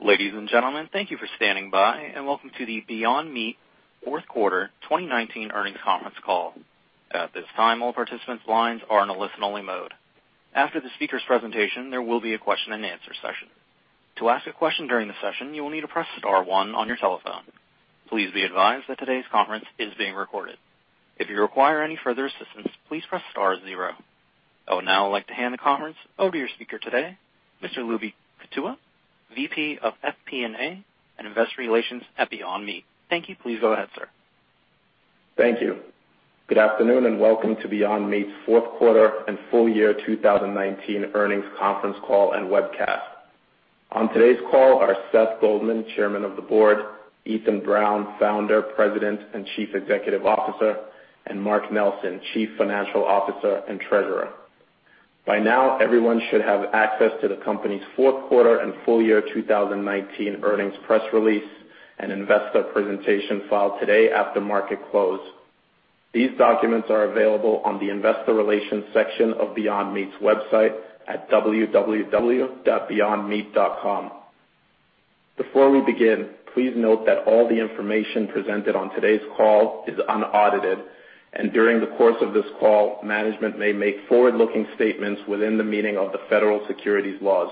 Ladies and gentlemen, thank you for standing by, and welcome to the Beyond Meat fourth quarter 2019 earnings conference call. At this time, all participants' lines are in a listen-only mode. After the speakers' presentation, there will be a question and answer session. To ask a question during the session, you will need to press star one on your telephone. Please be advised that today's conference is being recorded. If you require any further assistance, please press star zero. I would now like to hand the conference over to your speaker today, Mr. Lubi Kutua, VP of FP&A and Investor Relations at Beyond Meat. Thank you. Please go ahead, sir. Thank you. Good afternoon, welcome to Beyond Meat's fourth quarter and full year 2019 earnings conference call and webcast. On today's call are Seth Goldman, Chairman of the Board, Ethan Brown, Founder, President, and Chief Executive Officer, and Mark Nelson, Chief Financial Officer and Treasurer. By now, everyone should have access to the company's fourth quarter and full year 2019 earnings press release and investor presentation filed today after market close. These documents are available on the investor relations section of Beyond Meat's website at www.beyondmeat.com. Before we begin, please note that all the information presented on today's call is unaudited, and during the course of this call, management may make forward-looking statements within the meaning of the federal securities laws.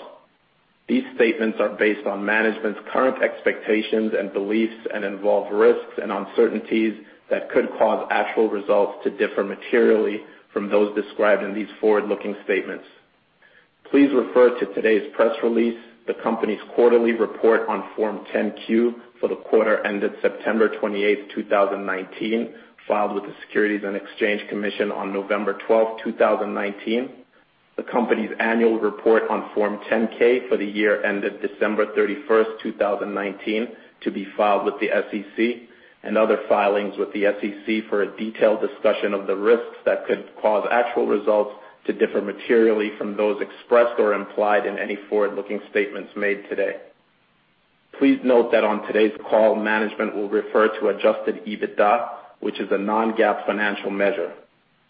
These statements are based on management's current expectations and beliefs and involve risks and uncertainties that could cause actual results to differ materially from those described in these forward-looking statements. Please refer to today's press release, the company's quarterly report on Form 10-Q for the quarter ended September 28th, 2019, filed with the Securities and Exchange Commission on November 12th, 2019, the company's annual report on Form 10-K for the year ended December 31st, 2019, to be filed with the SEC, and other filings with the SEC for a detailed discussion of the risks that could cause actual results to differ materially from those expressed or implied in any forward-looking statements made today. Please note that on today's call, management will refer to adjusted EBITDA, which is a non-GAAP financial measure.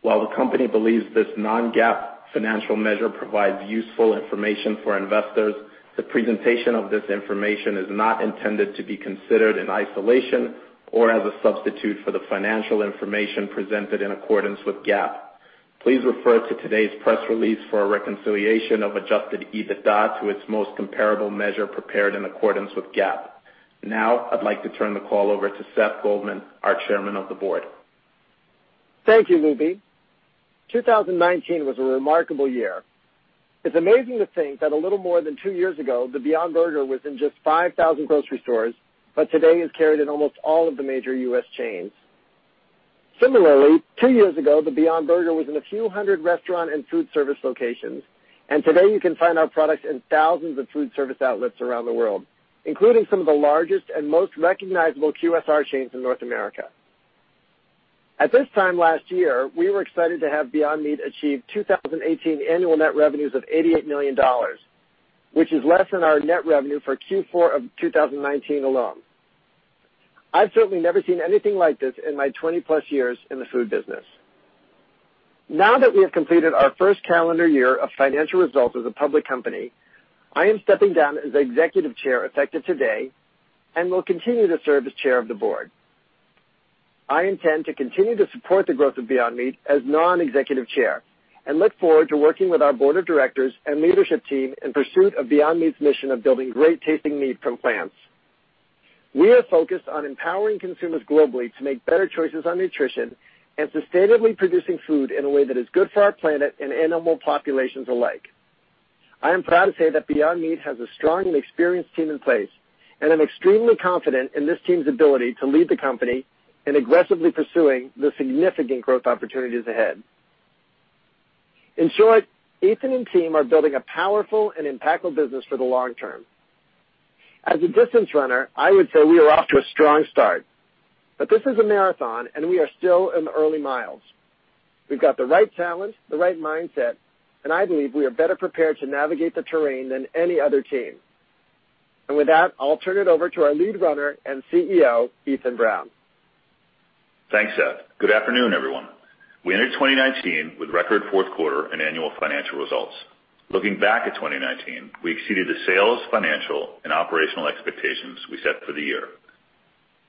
While the company believes this non-GAAP financial measure provides useful information for investors, the presentation of this information is not intended to be considered in isolation or as a substitute for the financial information presented in accordance with GAAP. Please refer to today's press release for a reconciliation of adjusted EBITDA to its most comparable measure prepared in accordance with GAAP. I'd like to turn the call over to Seth Goldman, our Chairman of the Board. Thank you, Lubi. 2019 was a remarkable year. It's amazing to think that a little more than two years ago, the Beyond Burger was in just 5,000 grocery stores, but today it's carried in almost all of the major U.S. chains. Similarly, two years ago, the Beyond Burger was in a few hundred restaurant and food service locations, and today you can find our products in thousands of food service outlets around the world, including some of the largest and most recognizable QSR chains in North America. At this time last year, we were excited to have Beyond Meat achieve 2018 annual net revenues of $88 million, which is less than our net revenue for Q4 of 2019 alone. I've certainly never seen anything like this in my 20+ years in the food business. Now that we have completed our first calendar year of financial results as a public company, I am stepping down as executive chair effective today and will continue to serve as chair of the board. I intend to continue to support the growth of Beyond Meat as non-executive chair and look forward to working with our board of directors and leadership team in pursuit of Beyond Meat's mission of building great-tasting meat from plants. We are focused on empowering consumers globally to make better choices on nutrition and sustainably producing food in a way that is good for our planet and animal populations alike. I am proud to say that Beyond Meat has a strong and experienced team in place, and I'm extremely confident in this team's ability to lead the company in aggressively pursuing the significant growth opportunities ahead. In short, Ethan and team are building a powerful and impactful business for the long term. As a distance runner, I would say we are off to a strong start, but this is a marathon, and we are still in the early miles. We've got the right talent, the right mindset, and I believe we are better prepared to navigate the terrain than any other team. With that, I'll turn it over to our Lead Runner and CEO, Ethan Brown. Thanks, Seth. Good afternoon, everyone. We entered 2019 with record fourth quarter and annual financial results. Looking back at 2019, we exceeded the sales, financial, and operational expectations we set for the year.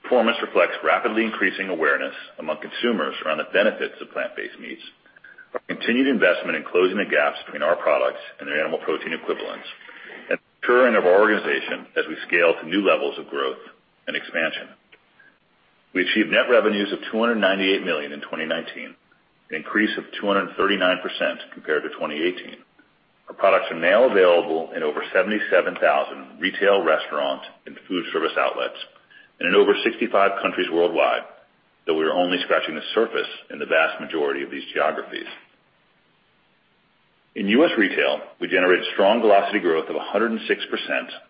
Performance reflects rapidly increasing awareness among consumers around the benefits of plant-based meats, our continued investment in closing the gaps between our products and their animal protein equivalents, and the maturing of our organization as we scale to new levels of growth and expansion. We achieved net revenues of $298 million in 2019, an increase of 239% compared to 2018. Our products are now available in over 77,000 retail restaurants and food service outlets and in over 65 countries worldwide, though we are only scratching the surface in the vast majority of these geographies. In U.S. retail, we generated strong velocity growth of 106%,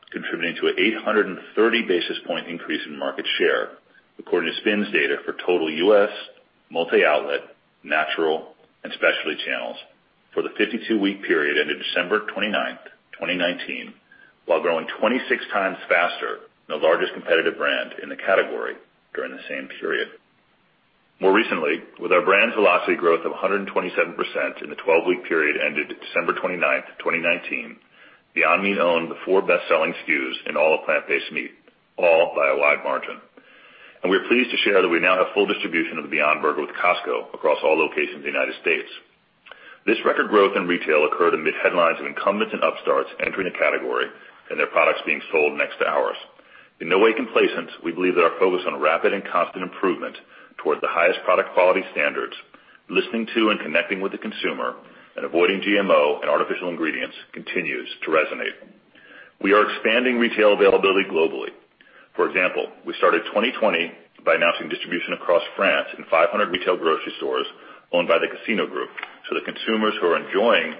contributing to an 830 basis point increase in market share according to SPINS data for total U.S., multi-outlet, natural, and specialty channels for the 52-week period ended December 29th, 2019, while growing 26 times faster than the largest competitive brand in the category during the same period. More recently, with our brand's velocity growth of 127% in the 12-week period ended December 29th, 2019, Beyond Meat owned the four best-selling SKUs in all of plant-based meat, all by a wide margin. We are pleased to share that we now have full distribution of the Beyond Burger with Costco across all locations in the United States. This record growth in retail occurred amid headlines of incumbents and upstarts entering the category and their products being sold next to ours. In no way complacent, we believe that our focus on rapid and constant improvement towards the highest product quality standards, listening to and connecting with the consumer, and avoiding GMO and artificial ingredients continues to resonate. We are expanding retail availability globally. For example, we started 2020 by announcing distribution across France in 500 retail grocery stores owned by the Casino Group. The consumers who are enjoying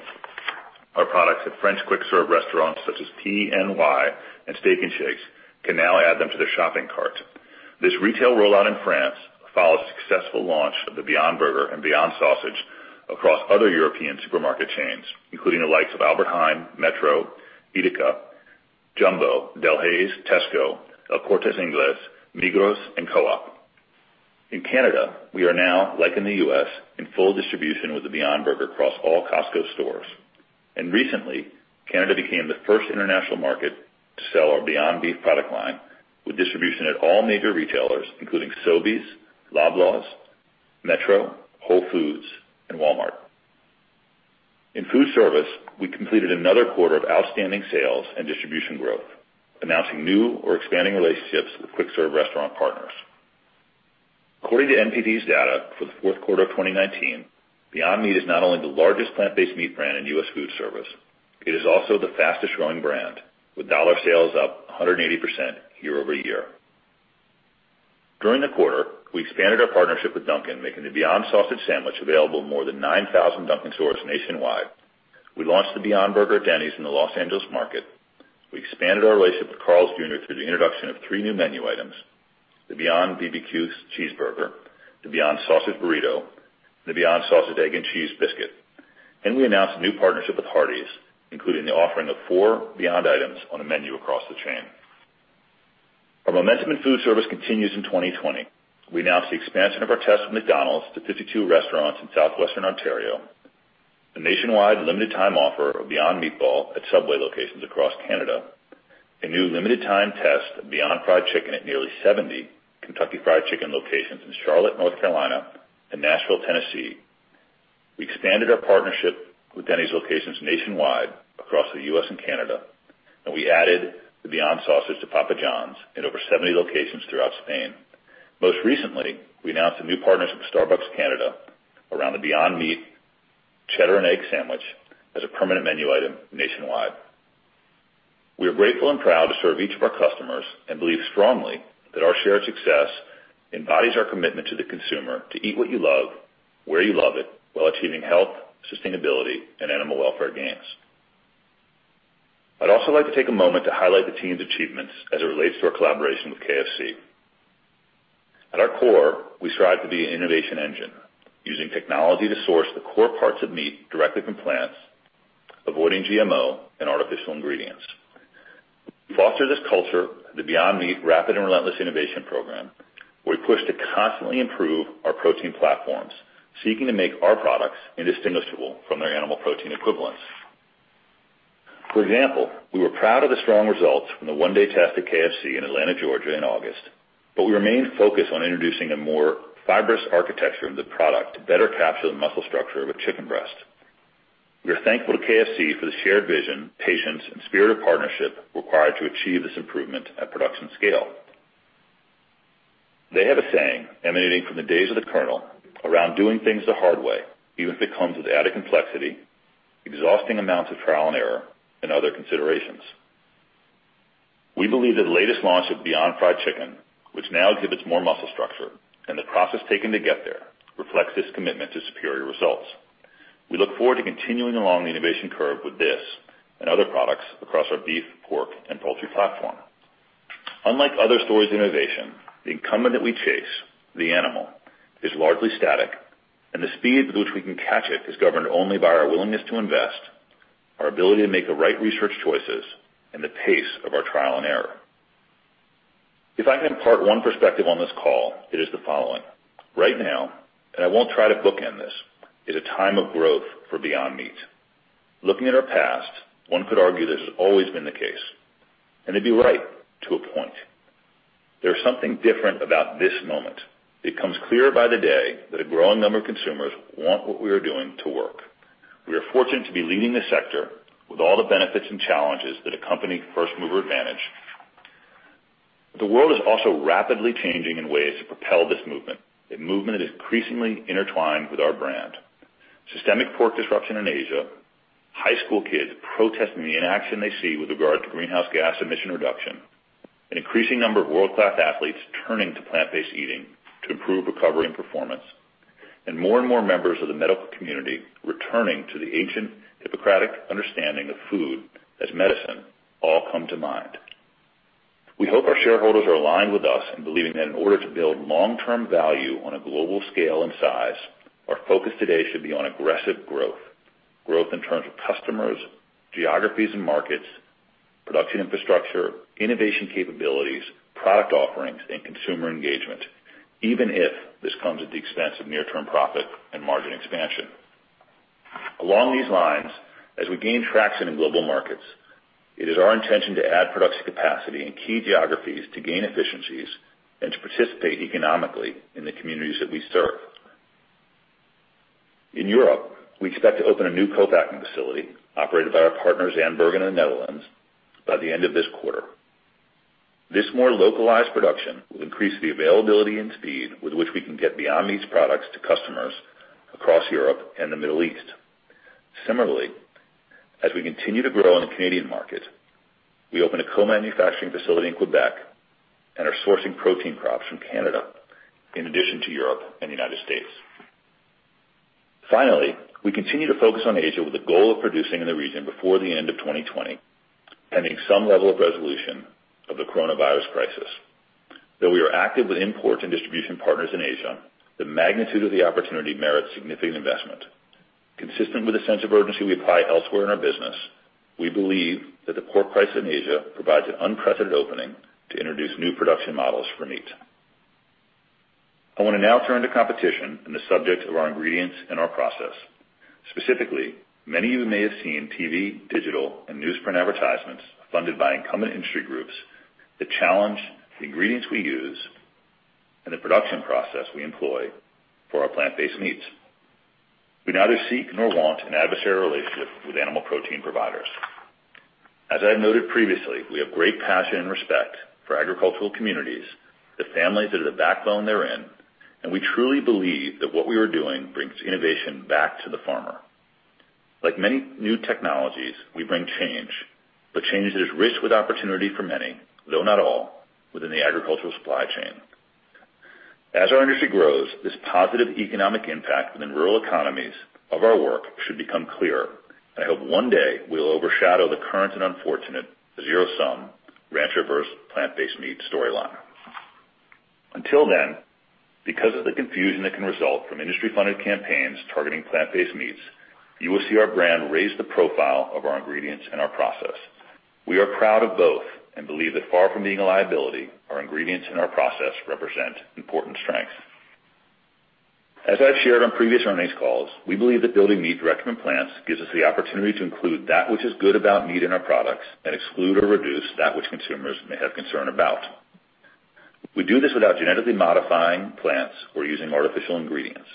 our products at French quick-serve restaurants such as PNY and Steak 'n Shake can now add them to their shopping cart. This retail rollout in France follows a successful launch of the Beyond Burger and Beyond Sausage across other European supermarket chains, including the likes of Albert Heijn, Metro, EDEKA, Jumbo, Delhaize, Tesco, El Corte Inglés, Migros, and Coop. In Canada, we are now, like in the U.S., in full distribution with the Beyond Burger across all Costco stores. Recently, Canada became the first international market to sell our Beyond Beef product line, with distribution at all major retailers, including Sobeys, Loblaws, Metro, Whole Foods, and Walmart. In food service, we completed another quarter of outstanding sales and distribution growth, announcing new or expanding relationships with quick-serve restaurant partners. According to NPD's data for the fourth quarter of 2019, Beyond Meat is not only the largest plant-based meat brand in U.S. food service, it is also the fastest-growing brand, with dollar sales up 180% year-over-year. During the quarter, we expanded our partnership with Dunkin', making the Beyond Sausage Sandwich available in more than 9,000 Dunkin' stores nationwide. We launched the Beyond Burger at Denny's in the Los Angeles market. We expanded our relationship with Carl's Jr. through the introduction of three new menu items, the Beyond BBQ Cheeseburger, the Beyond Sausage Burrito, and the Beyond Sausage, Egg, and Cheese Biscuit. We announced a new partnership with Hardee's, including the offering of four Beyond items on a menu across the chain. Our momentum in food service continues in 2020. We announced the expansion of our test with McDonald's to 52 restaurants in southwestern Ontario, a nationwide limited time offer of Beyond Meatball at Subway locations across Canada, a new limited time test of Beyond Fried Chicken at nearly 70 Kentucky Fried Chicken locations in Charlotte, North Carolina, and Nashville, Tennessee. We expanded our partnership with Denny's locations nationwide across the U.S. and Canada, and we added the Beyond Sausage to Papa John's in over 70 locations throughout Spain. Most recently, we announced a new partnership with Starbucks Canada around the Beyond Meat, Cheddar and Egg Sandwich as a permanent menu item nationwide. We are grateful and proud to serve each of our customers and believe strongly that our shared success embodies our commitment to the consumer to eat what you love, where you love it, while achieving health, sustainability, and animal welfare gains. I'd also like to take a moment to highlight the team's achievements as it relates to our collaboration with KFC. At our core, we strive to be an innovation engine, using technology to source the core parts of meat directly from plants, avoiding GMO and artificial ingredients. We foster this culture at the Beyond Meat Rapid and Relentless Innovation program, where we push to constantly improve our protein platforms, seeking to make our products indistinguishable from their animal protein equivalents. For example, we were proud of the strong results from the one-day test at KFC in Atlanta, Georgia, in August, but we remain focused on introducing a more fibrous architecture of the product to better capture the muscle structure of a chicken breast. We are thankful to KFC for the shared vision, patience, and spirit of partnership required to achieve this improvement at production scale. They have a saying emanating from the days of the Colonel around doing things the hard way, even if it comes with added complexity, exhausting amounts of trial and error, and other considerations. We believe that the latest launch of Beyond Fried Chicken, which now exhibits more muscle structure, and the process taken to get there, reflects this commitment to superior results. We look forward to continuing along the innovation curve with this and other products across our beef, pork, and poultry platform. Unlike other stories of innovation, the incumbent that we chase, the animal, is largely static, and the speed with which we can catch it is governed only by our willingness to invest, our ability to make the right research choices, and the pace of our trial and error. If I can impart one perspective on this call, it is the following. Right now, and I won't try to bookend this, is a time of growth for Beyond Meat. Looking at our past, one could argue this has always been the case, and they'd be right to a point. There is something different about this moment. It becomes clearer by the day that a growing number of consumers want what we are doing to work. We are fortunate to be leading the sector with all the benefits and challenges that accompany first-mover advantage. The world is also rapidly changing in ways to propel this movement, a movement that is increasingly intertwined with our brand. Systemic pork disruption in Asia, high school kids protesting the inaction they see with regard to greenhouse gas emission reduction, an increasing number of world-class athletes turning to plant-based eating to improve recovery and performance, and more and more members of the medical community returning to the ancient Hippocratic understanding of food as medicine all come to mind. We hope our shareholders are aligned with us in believing that in order to build long-term value on a global scale and size, our focus today should be on aggressive growth in terms of customers, geographies and markets, production infrastructure, innovation capabilities, product offerings, and consumer engagement, even if this comes at the expense of near-term profit and margin expansion. Along these lines, as we gain traction in global markets, it is our intention to add production capacity in key geographies to gain efficiencies and to participate economically in the communities that we serve. In Europe, we expect to open a new co-packing facility operated by our partners in Bergen, Netherlands, by the end of this quarter. This more localized production will increase the availability and speed with which we can get Beyond Meat's products to customers across Europe and the Middle East. Similarly, as we continue to grow in the Canadian market, we open a co-manufacturing facility in Quebec and are sourcing protein crops from Canada, in addition to Europe and the U.S. We continue to focus on Asia with the goal of producing in the region before the end of 2020, pending some level of resolution of the coronavirus crisis. Though we are active with imports and distribution partners in Asia, the magnitude of the opportunity merits significant investment. Consistent with the sense of urgency we apply elsewhere in our business, we believe that the pork price in Asia provides an unprecedented opening to introduce new production models for meat. I want to now turn to competition and the subject of our ingredients and our process. Specifically, many of you may have seen TV, digital, and newsprint advertisements funded by incumbent industry groups that challenge the ingredients we use and the production process we employ for our plant-based meats. We neither seek nor want an adversarial relationship with animal protein providers. As I noted previously, we have great passion and respect for agricultural communities, the families that are the backbone therein, and we truly believe that what we are doing brings innovation back to the farmer. Like many new technologies, we bring change, but change that is rich with opportunity for many, though not all, within the agricultural supply chain. As our industry grows, this positive economic impact within rural economies of our work should become clearer. I hope one day we'll overshadow the current and unfortunate zero-sum rancher versus plant-based meat storyline. Until then, because of the confusion that can result from industry-funded campaigns targeting plant-based meats, you will see our brand raise the profile of our ingredients and our process. We are proud of both and believe that far from being a liability, our ingredients and our process represent important strengths. As I've shared on previous earnings calls, we believe that building meat directly from plants gives us the opportunity to include that which is good about meat in our products and exclude or reduce that which consumers may have concern about. We do this without genetically modifying plants or using artificial ingredients.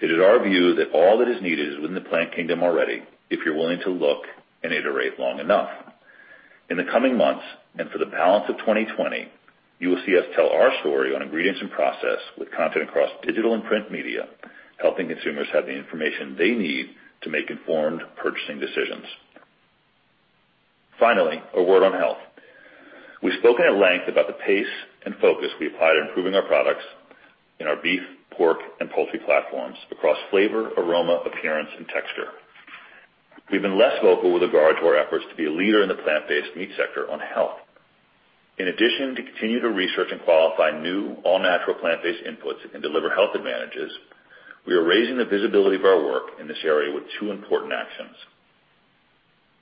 It is our view that all that is needed is within the plant kingdom already if you're willing to look and iterate long enough. In the coming months and for the balance of 2020, you will see us tell our story on ingredients and process with content across digital and print media, helping consumers have the information they need to make informed purchasing decisions. Finally, a word on health. We've spoken at length about the pace and focus we applied in improving our products in our beef, pork, and poultry platforms across flavor, aroma, appearance, and texture. We've been less vocal with regard to our efforts to be a leader in the plant-based meat sector on health. In addition to continue to research and qualify new all-natural plant-based inputs that can deliver health advantages, we are raising the visibility of our work in this area with two important actions.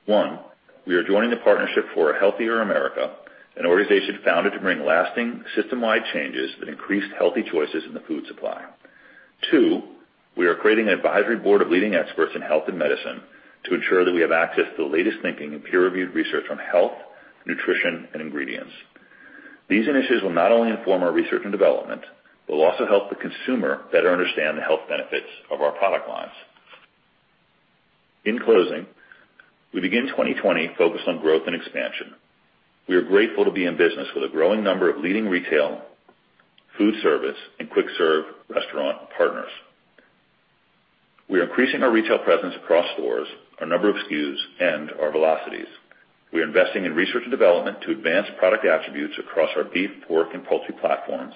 One, we are joining the Partnership for a Healthier America, an organization founded to bring lasting system-wide changes that increase healthy choices in the food supply. Two, we are creating an advisory board of leading experts in health and medicine to ensure that we have access to the latest thinking in peer-reviewed research on health, nutrition, and ingredients. These initiatives will not only inform our research and development, but will also help the consumer better understand the health benefits of our product lines. In closing, we begin 2020 focused on growth and expansion. We are grateful to be in business with a growing number of leading retail, food service, and quick-serve restaurant partners. We are increasing our retail presence across stores, our number of SKUs, and our velocities. We are investing in research and development to advance product attributes across our beef, pork, and poultry platforms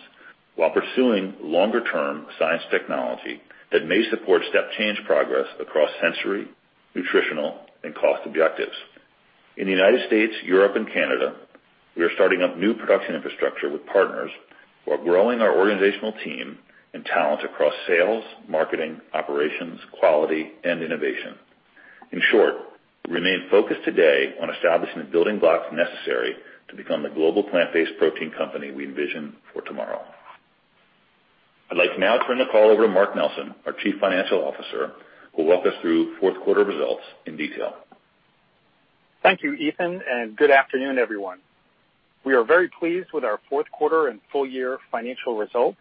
while pursuing longer-term science technology that may support step change progress across sensory, nutritional, and cost objectives. In the United States, Europe, and Canada, we are starting up new production infrastructure with partners while growing our organizational team and talent across sales, marketing, operations, quality, and innovation. In short, we remain focused today on establishing the building blocks necessary to become the global plant-based protein company we envision for tomorrow. I'd like to now turn the call over to Mark Nelson, our Chief Financial Officer, who will walk us through fourth quarter results in detail. Thank you, Ethan. Good afternoon, everyone. We are very pleased with our fourth quarter and full-year financial results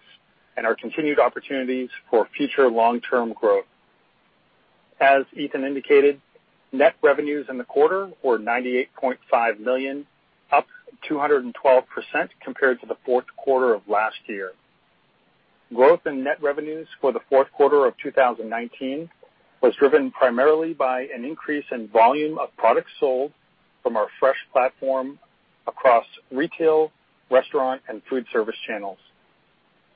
and our continued opportunities for future long-term growth. As Ethan indicated, net revenues in the quarter were $98.5 million, up 212% compared to the fourth quarter of last year. Growth in net revenues for the fourth quarter of 2019 was driven primarily by an increase in volume of products sold from our fresh platform across retail, restaurant, and food service channels.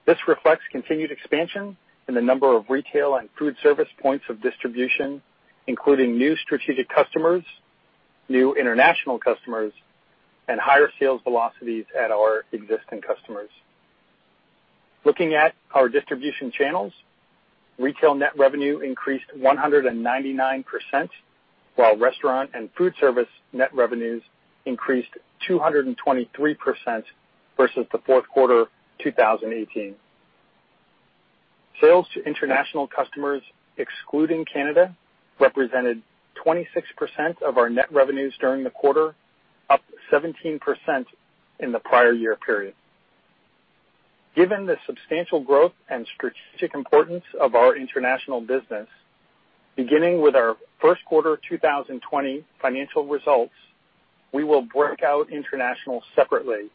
This reflects continued expansion in the number of retail and food service points of distribution, including new strategic customers, new international customers, and higher sales velocities at our existing customers. Looking at our distribution channels, retail net revenue increased 199%, while restaurant and food service net revenues increased 223% versus the fourth quarter 2018. Sales to international customers, excluding Canada, represented 26% of our net revenues during the quarter, up 17% in the prior year period. Given the substantial growth and strategic importance of our international business, beginning with our first quarter 2020 financial results, we will break out international separately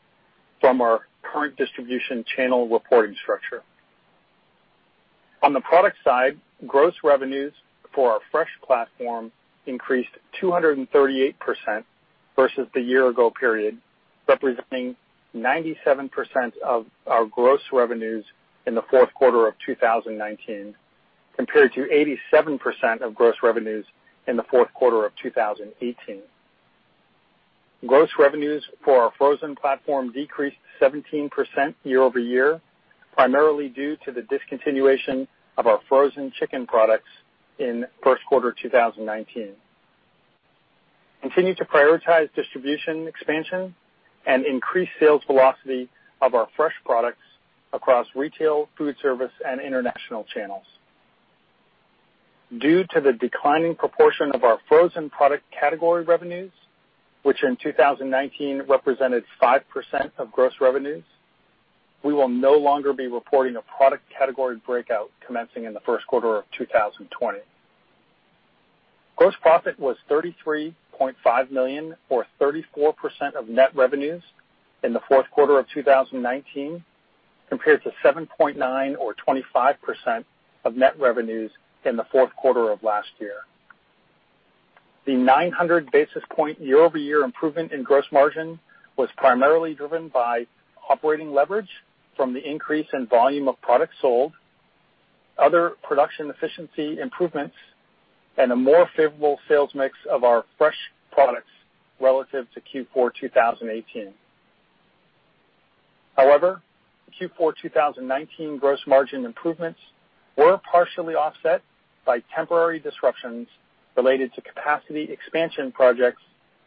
from our current distribution channel reporting structure. On the product side, gross revenues for our fresh platform increased 238% versus the year ago period, representing 97% of our gross revenues in the fourth quarter of 2019, compared to 87% of gross revenues in the fourth quarter of 2018. Gross revenues for our frozen platform decreased 17% year-over-year, primarily due to the discontinuation of our frozen chicken products in first quarter 2019. Continue to prioritize distribution expansion and increase sales velocity of our fresh products across retail, food service, and international channels. Due to the declining proportion of our frozen product category revenues, which in 2019 represented 5% of gross revenues, we will no longer be reporting a product category breakout commencing in the first quarter of 2020. Gross profit was $33.5 million or 34% of net revenues in the fourth quarter of 2019, compared to $7.9 million or 25% of net revenues in the fourth quarter of last year. The 900 basis point year-over-year improvement in gross margin was primarily driven by operating leverage from the increase in volume of product sold, other production efficiency improvements, and a more favorable sales mix of our fresh products relative to Q4 2018. Q4 2019 gross margin improvements were partially offset by temporary disruptions related to capacity expansion projects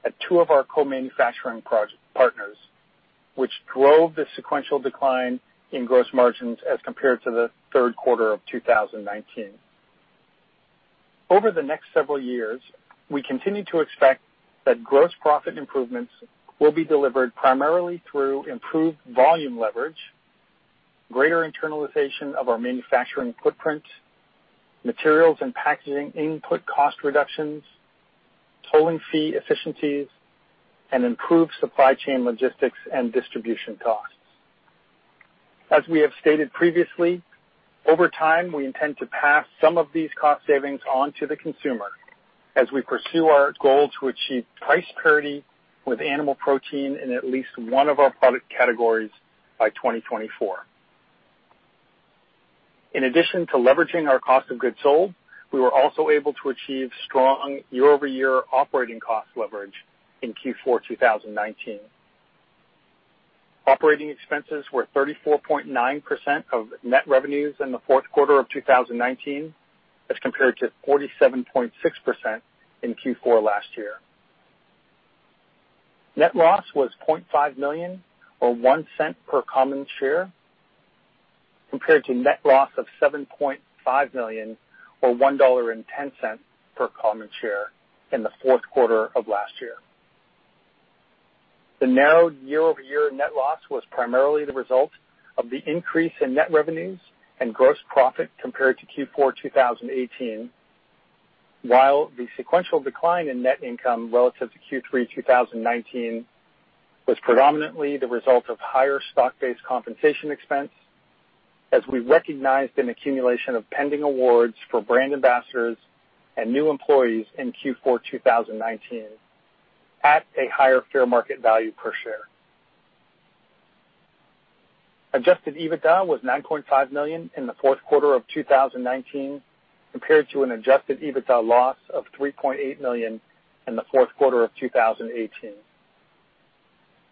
at two of our co-manufacturing partners, which drove the sequential decline in gross margins as compared to the third quarter of 2019. Over the next several years, we continue to expect that gross profit improvements will be delivered primarily through improved volume leverage, greater internalization of our manufacturing footprint, materials and packaging input cost reductions, tolling fee efficiencies, and improved supply chain logistics and distribution costs. As we have stated previously, over time, we intend to pass some of these cost savings on to the consumer as we pursue our goal to achieve price parity with animal protein in at least one of our product categories by 2024. In addition to leveraging our cost of goods sold, we were also able to achieve strong year-over-year operating cost leverage in Q4 2019. Operating expenses were 34.9% of net revenues in the fourth quarter of 2019 as compared to 47.6% in Q4 last year. Net loss was $0.5 million or $0.01 per common share, compared to net loss of $7.5 million or $1.10 per common share in the fourth quarter of last year. The narrowed year-over-year net loss was primarily the result of the increase in net revenues and gross profit compared to Q4 2018. The sequential decline in net income relative to Q3 2019 was predominantly the result of higher stock-based compensation expense as we recognized an accumulation of pending awards for brand ambassadors and new employees in Q4 2019 at a higher fair market value per share. Adjusted EBITDA was $9.5 million in the fourth quarter of 2019 compared to an adjusted EBITDA loss of $3.8 million in the fourth quarter of 2018.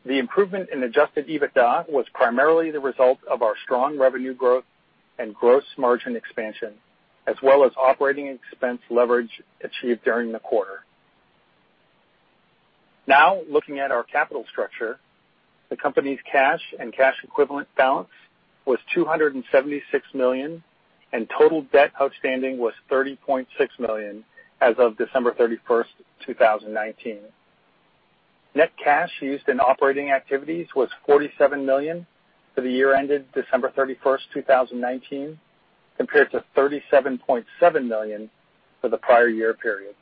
The improvement in adjusted EBITDA was primarily the result of our strong revenue growth and gross margin expansion, as well as operating expense leverage achieved during the quarter. Looking at our capital structure, the company's cash and cash equivalent balance was $276 million, and total debt outstanding was $30.6 million as of December 31st, 2019. Net cash used in operating activities was $47 million for the year ended December 31st, 2019, compared to $37.7 million for the prior year period.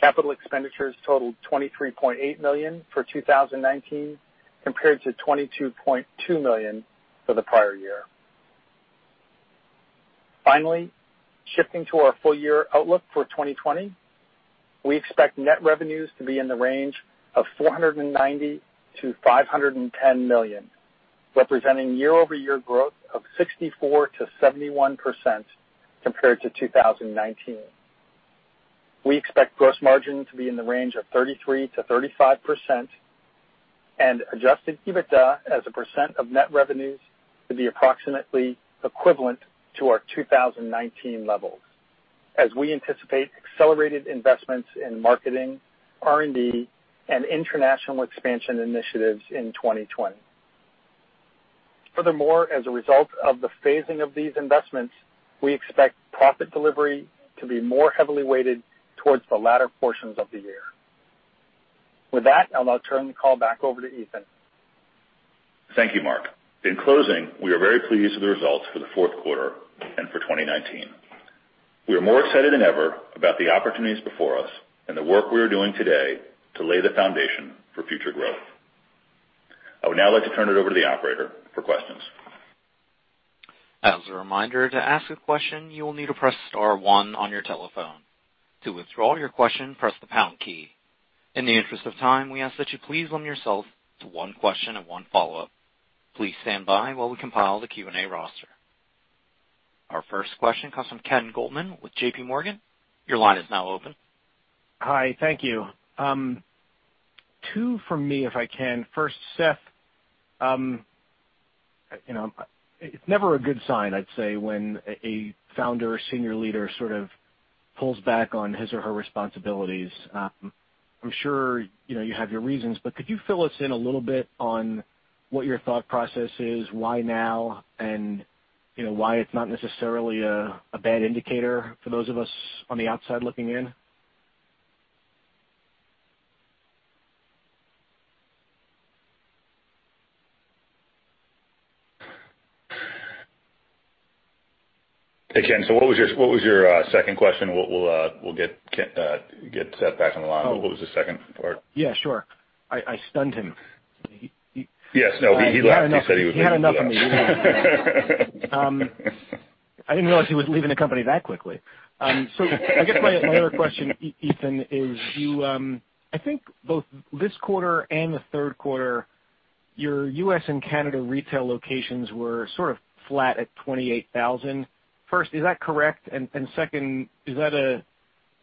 Capital expenditures totaled $23.8 million for 2019 compared to $22.2 million for the prior year. Shifting to our full year outlook for 2020, we expect net revenues to be in the range of $490 million-$510 million, representing year-over-year growth of 64%-71% compared to 2019. We expect gross margin to be in the range of 33%-35%, and adjusted EBITDA as a % of net revenues to be approximately equivalent to our 2019 levels, as we anticipate accelerated investments in marketing, R&D, and international expansion initiatives in 2020. As a result of the phasing of these investments, we expect profit delivery to be more heavily weighted towards the latter portions of the year. With that, I'll now turn the call back over to Ethan. Thank you, Mark. In closing, we are very pleased with the results for the fourth quarter and for 2019. We are more excited than ever about the opportunities before us and the work we are doing today to lay the foundation for future growth. I would now like to turn it over to the operator for questions. As a reminder, to ask a question, you will need to press star one on your telephone. To withdraw your question, press the pound key. In the interest of time, we ask that you please limit yourself to one question and one follow-up. Please stand by while we compile the Q&A roster. Our first question comes from Ken Goldman with JPMorgan. Your line is now open. Hi, thank you. Two from me, if I can. Seth, it's never a good sign, I'd say, when a founder or senior leader sort of pulls back on his or her responsibilities. I'm sure you have your reasons, but could you fill us in a little bit on what your thought process is, why now, and why it's not necessarily a bad indicator for those of us on the outside looking in? Hey, Ken. What was your second question? We'll get Seth back on the line. What was the second part? Yeah, sure. I stunned him. Yes. No, he left. He said he was going to leave us. He had enough of me. I didn't realize he was leaving the company that quickly. I guess my other question, Ethan, is I think both this quarter and the third quarter, your U.S. and Canada retail locations were sort of flat at 28,000. First, is that correct? Second, is that a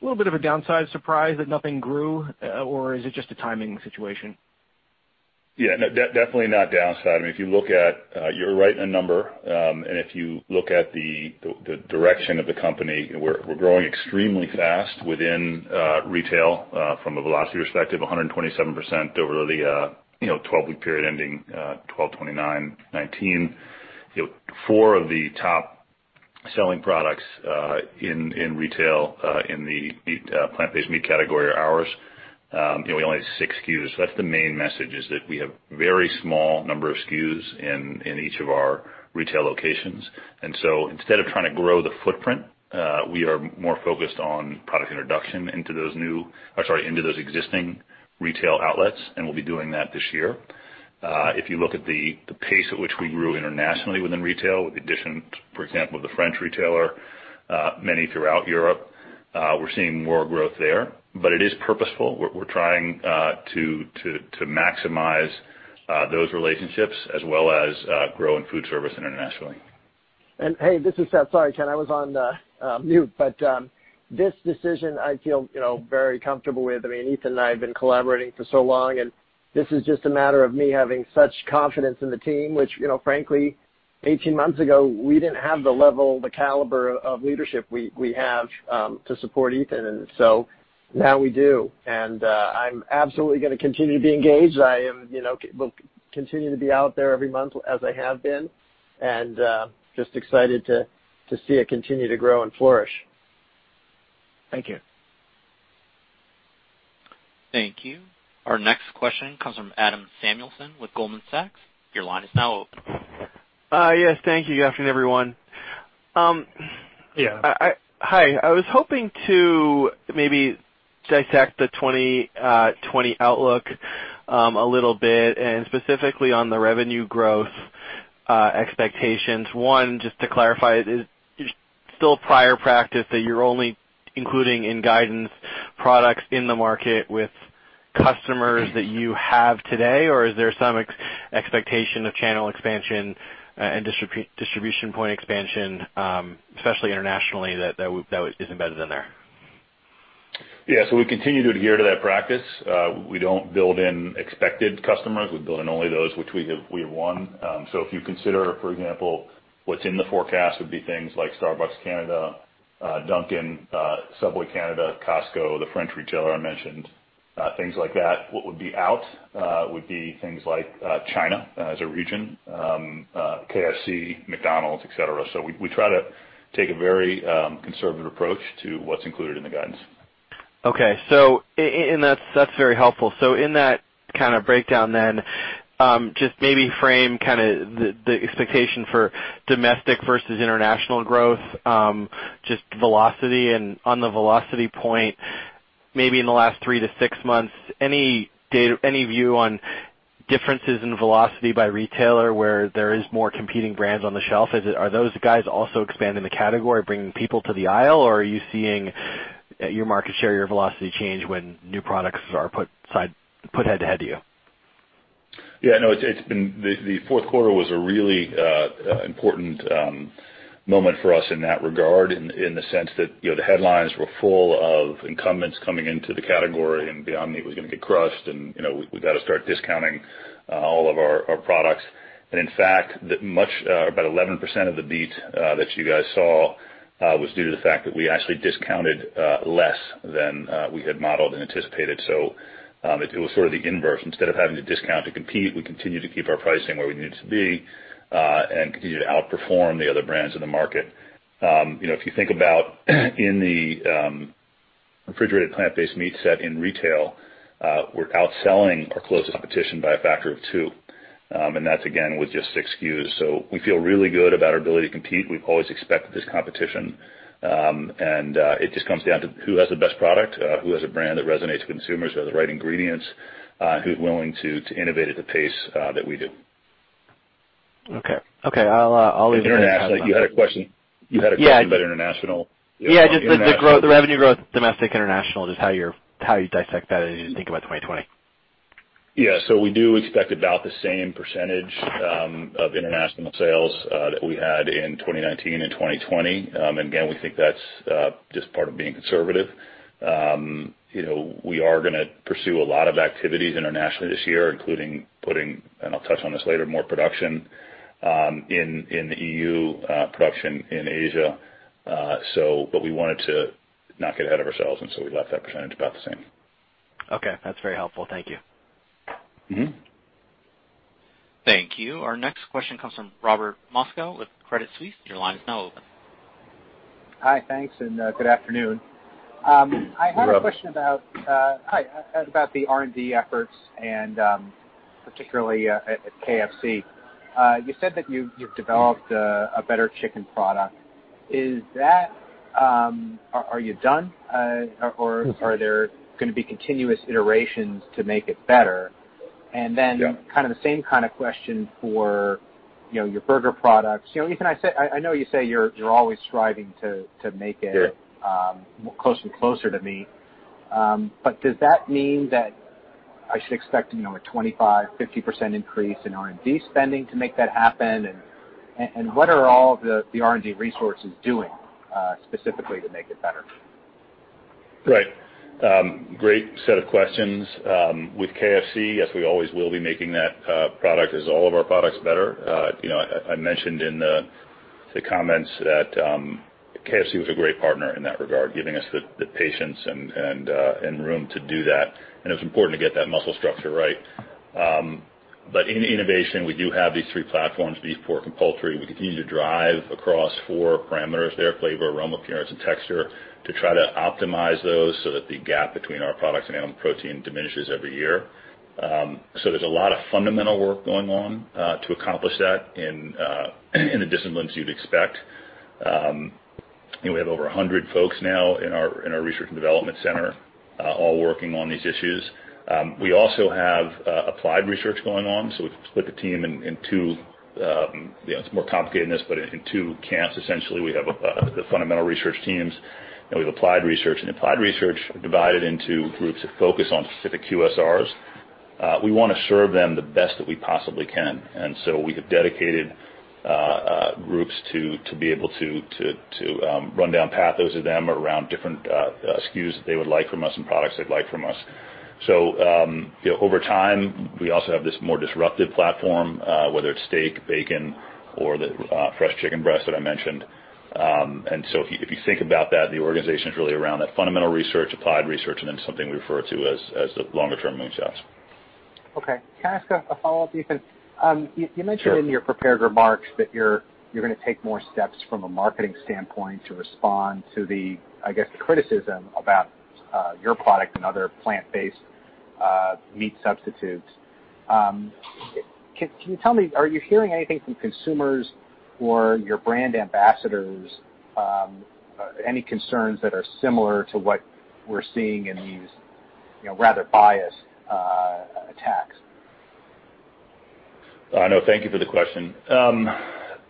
little bit of a downside surprise that nothing grew, or is it just a timing situation? Yeah, no, definitely not downside. You're right on the number, and if you look at the direction of the company, we're growing extremely fast within retail from a velocity perspective, 127% over the 12-week period ending 12/29/2019. Four of the top selling products in retail in the plant-based meat category are ours. We only have six SKUs. That's the main message, is that we have very small number of SKUs in each of our retail locations. Instead of trying to grow the footprint, we are more focused on product introduction into those existing retail outlets, and we'll be doing that this year. If you look at the pace at which we grew internationally within retail, with the addition, for example, of the French retailer, many throughout Europe, we're seeing more growth there. It is purposeful. We're trying to maximize those relationships as well as grow in food service internationally. Hey, this is Seth. Sorry, Ken, I was on mute. This decision I feel very comfortable with. Ethan and I have been collaborating for so long, and this is just a matter of me having such confidence in the team, which frankly, 18 months ago, we didn't have the level, the caliber of leadership we have to support Ethan. Now we do. I'm absolutely going to continue to be engaged. I will continue to be out there every month as I have been and just excited to see it continue to grow and flourish. Thank you. Thank you. Our next question comes from Adam Samuelson with Goldman Sachs. Your line is now open. Yes, thank you. Good afternoon, everyone. Yeah. Hi. I was hoping to maybe dissect the 2020 outlook a little bit, and specifically on the revenue growth expectations. One, just to clarify, is it still prior practice that you're only including in guidance products in the market with customers that you have today, or is there some expectation of channel expansion and distribution point expansion, especially internationally, that is embedded in there? We continue to adhere to that practice. We don't build in expected customers. We build in only those which we have won. If you consider, for example, what's in the forecast would be things like Starbucks Canada, Dunkin', Subway Canada, Costco, the French retailer I mentioned, things like that. What would be out would be things like China as a region, KFC, McDonald's, et cetera. We try to take a very conservative approach to what's included in the guidance. Okay. That's very helpful. In that kind of breakdown then, just maybe frame the expectation for domestic versus international growth, just velocity. On the velocity point, maybe in the last three to six months, any view on differences in velocity by retailer where there is more competing brands on the shelf? Are those guys also expanding the category, bringing people to the aisle, or are you seeing your market share, your velocity change when new products are put head to head to you? Yeah, no, the fourth quarter was a really important moment for us in that regard, in the sense that the headlines were full of incumbents coming into the category and Beyond Meat was going to get crushed, and we've got to start discounting all of our products. In fact, about 11% of the beat that you guys saw was due to the fact that we actually discounted less than we had modeled and anticipated. It was sort of the inverse. Instead of having to discount to compete, we continued to keep our pricing where we needed it to be, and continued to outperform the other brands in the market. If you think about in the refrigerated plant-based meat set in retail, we're outselling our closest competition by a factor of two. That's, again, with just six SKUs. We feel really good about our ability to compete. We've always expected this competition. It just comes down to who has the best product, who has a brand that resonates with consumers, who has the right ingredients, who's willing to innovate at the pace that we do. Okay. I'll leave it at that. International, you had a question. Yeah. You had a question about international. Yeah. Just the revenue growth, domestic, international, just how you dissect that as you think about 2020. Yeah. We do expect about the same percentage of international sales that we had in 2019 and 2020. Again, we think that's just part of being conservative. We are going to pursue a lot of activities internationally this year, including putting, and I'll touch on this later, more production in the EU, production in Asia. We wanted to not get ahead of ourselves. We left that percentage about the same. Okay. That's very helpful. Thank you. Thank you. Our next question comes from Robert Moskow with Credit Suisse. Your line is now open. Hi, thanks, and good afternoon. Hey, Robert. I had a question, hi, about the R&D efforts and particularly at KFC. You said that you've developed a better chicken product. Are you done? Are there going to be continuous iterations to make it better? Yeah. Kind of the same kind of question for your burger products. I know you say you're always striving to make it. Yeah closer and closer to meat. Does that mean that I should expect a 25%, 50% increase in R&D spending to make that happen? What are all of the R&D resources doing specifically to make it better? Right. Great set of questions. With KFC, yes, we always will be making that product, as all of our products, better. I mentioned in the comments that KFC was a great partner in that regard, giving us the patience and room to do that. It was important to get that muscle structure right. In innovation, we do have these three platforms, beef, pork, and poultry. We continue to drive across four parameters there, flavor, aroma, appearance, and texture, to try to optimize those so that the gap between our products and animal protein diminishes every year. There's a lot of fundamental work going on to accomplish that in the disciplines you'd expect. We have over 100 folks now in our research and development center, all working on these issues. We also have applied research going on, so we've split the team in two, it's more complicated than this, but in two camps, essentially. We have the fundamental research teams, and we have applied research, and applied research divided into groups that focus on specific QSRs. We want to serve them the best that we possibly can, and so we have dedicated groups to be able to run down pathos to them around different SKUs that they would like from us and products they'd like from us. Over time, we also have this more disruptive platform, whether it's steak, bacon, or the fresh chicken breast that I mentioned. If you think about that, the organization's really around that fundamental research, applied research, and then something we refer to as the longer-term moonshots. Okay. Can I ask a follow-up, Ethan? Sure. You mentioned in your prepared remarks that you're going to take more steps from a marketing standpoint to respond to the, I guess, the criticism about your product and other plant-based meat substitutes. Can you tell me, are you hearing anything from consumers or your brand ambassadors, any concerns that are similar to what we're seeing in these rather biased attacks? No, thank you for the question.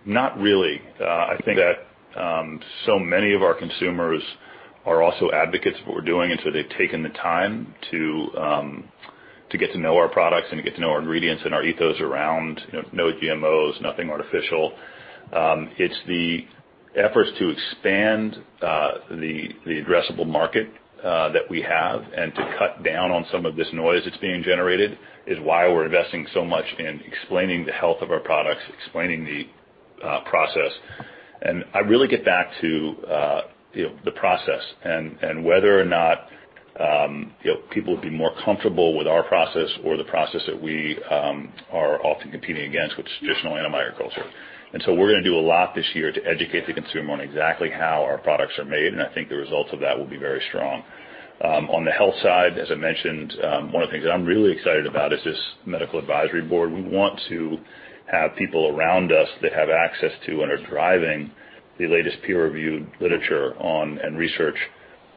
Not really. I think that so many of our consumers are also advocates of what we're doing, and so they've taken the time to get to know our products and to get to know our ingredients and our ethos around no GMOs, nothing artificial. It's the efforts to expand the addressable market that we have and to cut down on some of this noise that's being generated, is why we're investing so much in explaining the health of our products, explaining the process. I really get back to the process, and whether or not people would be more comfortable with our process or the process that we are often competing against, which is traditional animal agriculture. We're going to do a lot this year to educate the consumer on exactly how our products are made, and I think the results of that will be very strong. On the health side, as I mentioned, one of the things that I'm really excited about is this medical advisory board. We want to have people around us that have access to, and are driving the latest peer-reviewed literature and research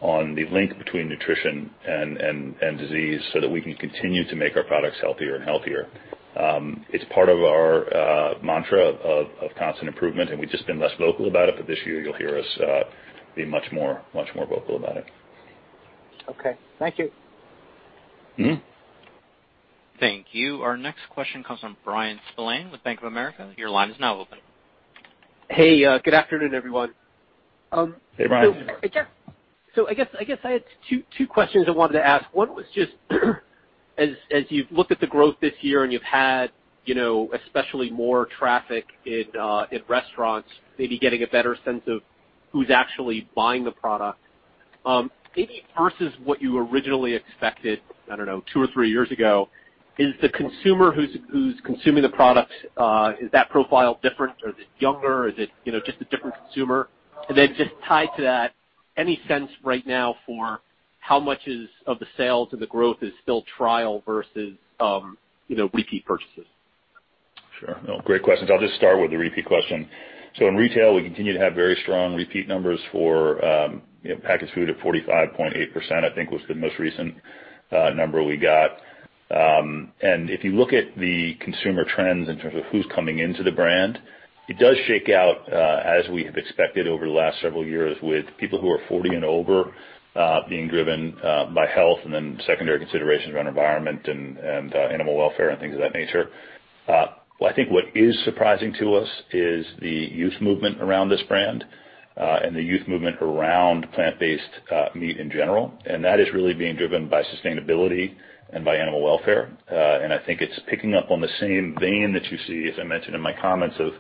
on the link between nutrition and disease so that we can continue to make our products healthier and healthier. It's part of our mantra of constant improvement, and we've just been less vocal about it, but this year you'll hear us be much more vocal about it. Okay. Thank you. Thank you. Our next question comes from Bryan Spillane with Bank of America. Your line is now open. Hey, good afternoon, everyone. Hey, Bryan. I guess I had two questions I wanted to ask. One was just as you've looked at the growth this year and you've had especially more traffic in restaurants, maybe getting a better sense of who's actually buying the product. Maybe versus what you originally expected, I don't know, two or three years ago, is the consumer who's consuming the product, is that profile different? Is it younger? Is it just a different consumer? Just tied to that, any sense right now for how much of the sales and the growth is still trial versus repeat purchases? Sure. No, great questions. I'll just start with the repeat question. In retail, we continue to have very strong repeat numbers for packaged food at 45.8%, I think was the most recent number we got. If you look at the consumer trends in terms of who's coming into the brand, it does shake out, as we have expected over the last several years, with people who are 40 and over, being driven by health and then secondary considerations around environment and animal welfare and things of that nature. Well, I think what is surprising to us is the youth movement around this brand, and the youth movement around plant-based meat in general, and that is really being driven by sustainability and by animal welfare. I think it's picking up on the same vein that you see, as I mentioned in my comments, of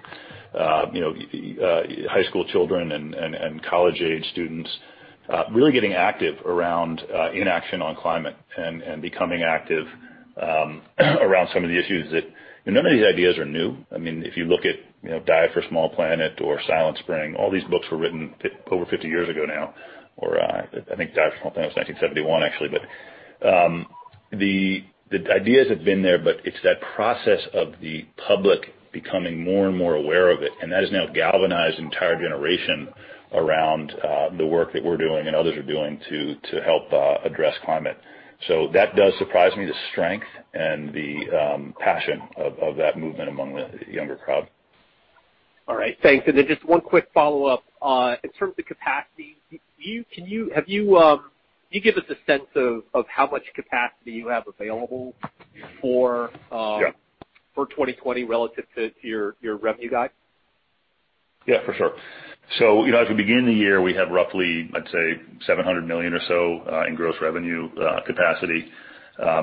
high school children and college-age students really getting active around inaction on climate and becoming active around some of the issues that. None of these ideas are new. If you look at Diet for a Small Planet or Silent Spring, all these books were written over 50 years ago now. I think Diet for a Small Planet was 1971 actually. The ideas have been there, but it's that process of the public becoming more and more aware of it, and that has now galvanized an entire generation around the work that we're doing and others are doing to help address climate. That does surprise me, the strength and the passion of that movement among the younger crowd. All right. Thanks. Then just one quick follow-up. In terms of capacity, can you give us a sense of how much capacity you have available for- Yeah 2020 relative to your revenue guide? Yeah, for sure. As we begin the year, we have roughly, I'd say, $700 million or so in gross revenue capacity.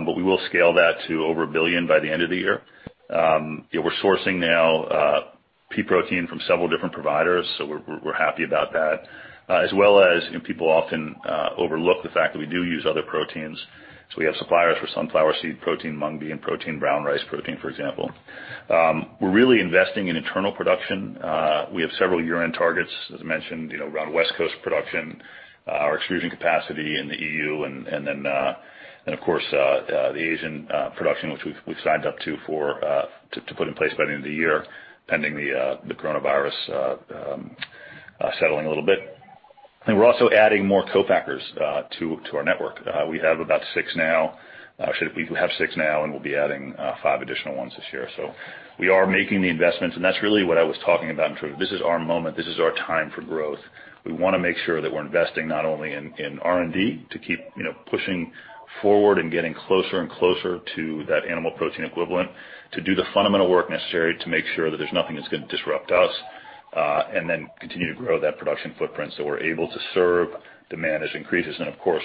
We will scale that to over $1 billion by the end of the year. We're sourcing now pea protein from several different providers, so we're happy about that. As well as people often overlook the fact that we do use other proteins. We have suppliers for sunflower seed protein, mung bean protein, brown rice protein, for example. We're really investing in internal production. We have several year-end targets, as I mentioned, around West Coast production, our extrusion capacity in the EU, and then, of course, the Asian production, which we've signed up to put in place by the end of the year, pending the coronavirus settling a little bit. We're also adding more co-packers to our network. We have about six now. Actually, we have six now, and we'll be adding five additional ones this year. We are making the investments, and that's really what I was talking about in terms of this is our moment. This is our time for growth. We want to make sure that we're investing not only in R&D to keep pushing forward and getting closer and closer to that animal protein equivalent, to do the fundamental work necessary to make sure that there's nothing that's going to disrupt us, and then continue to grow that production footprint so we're able to serve demand as increases. Of course,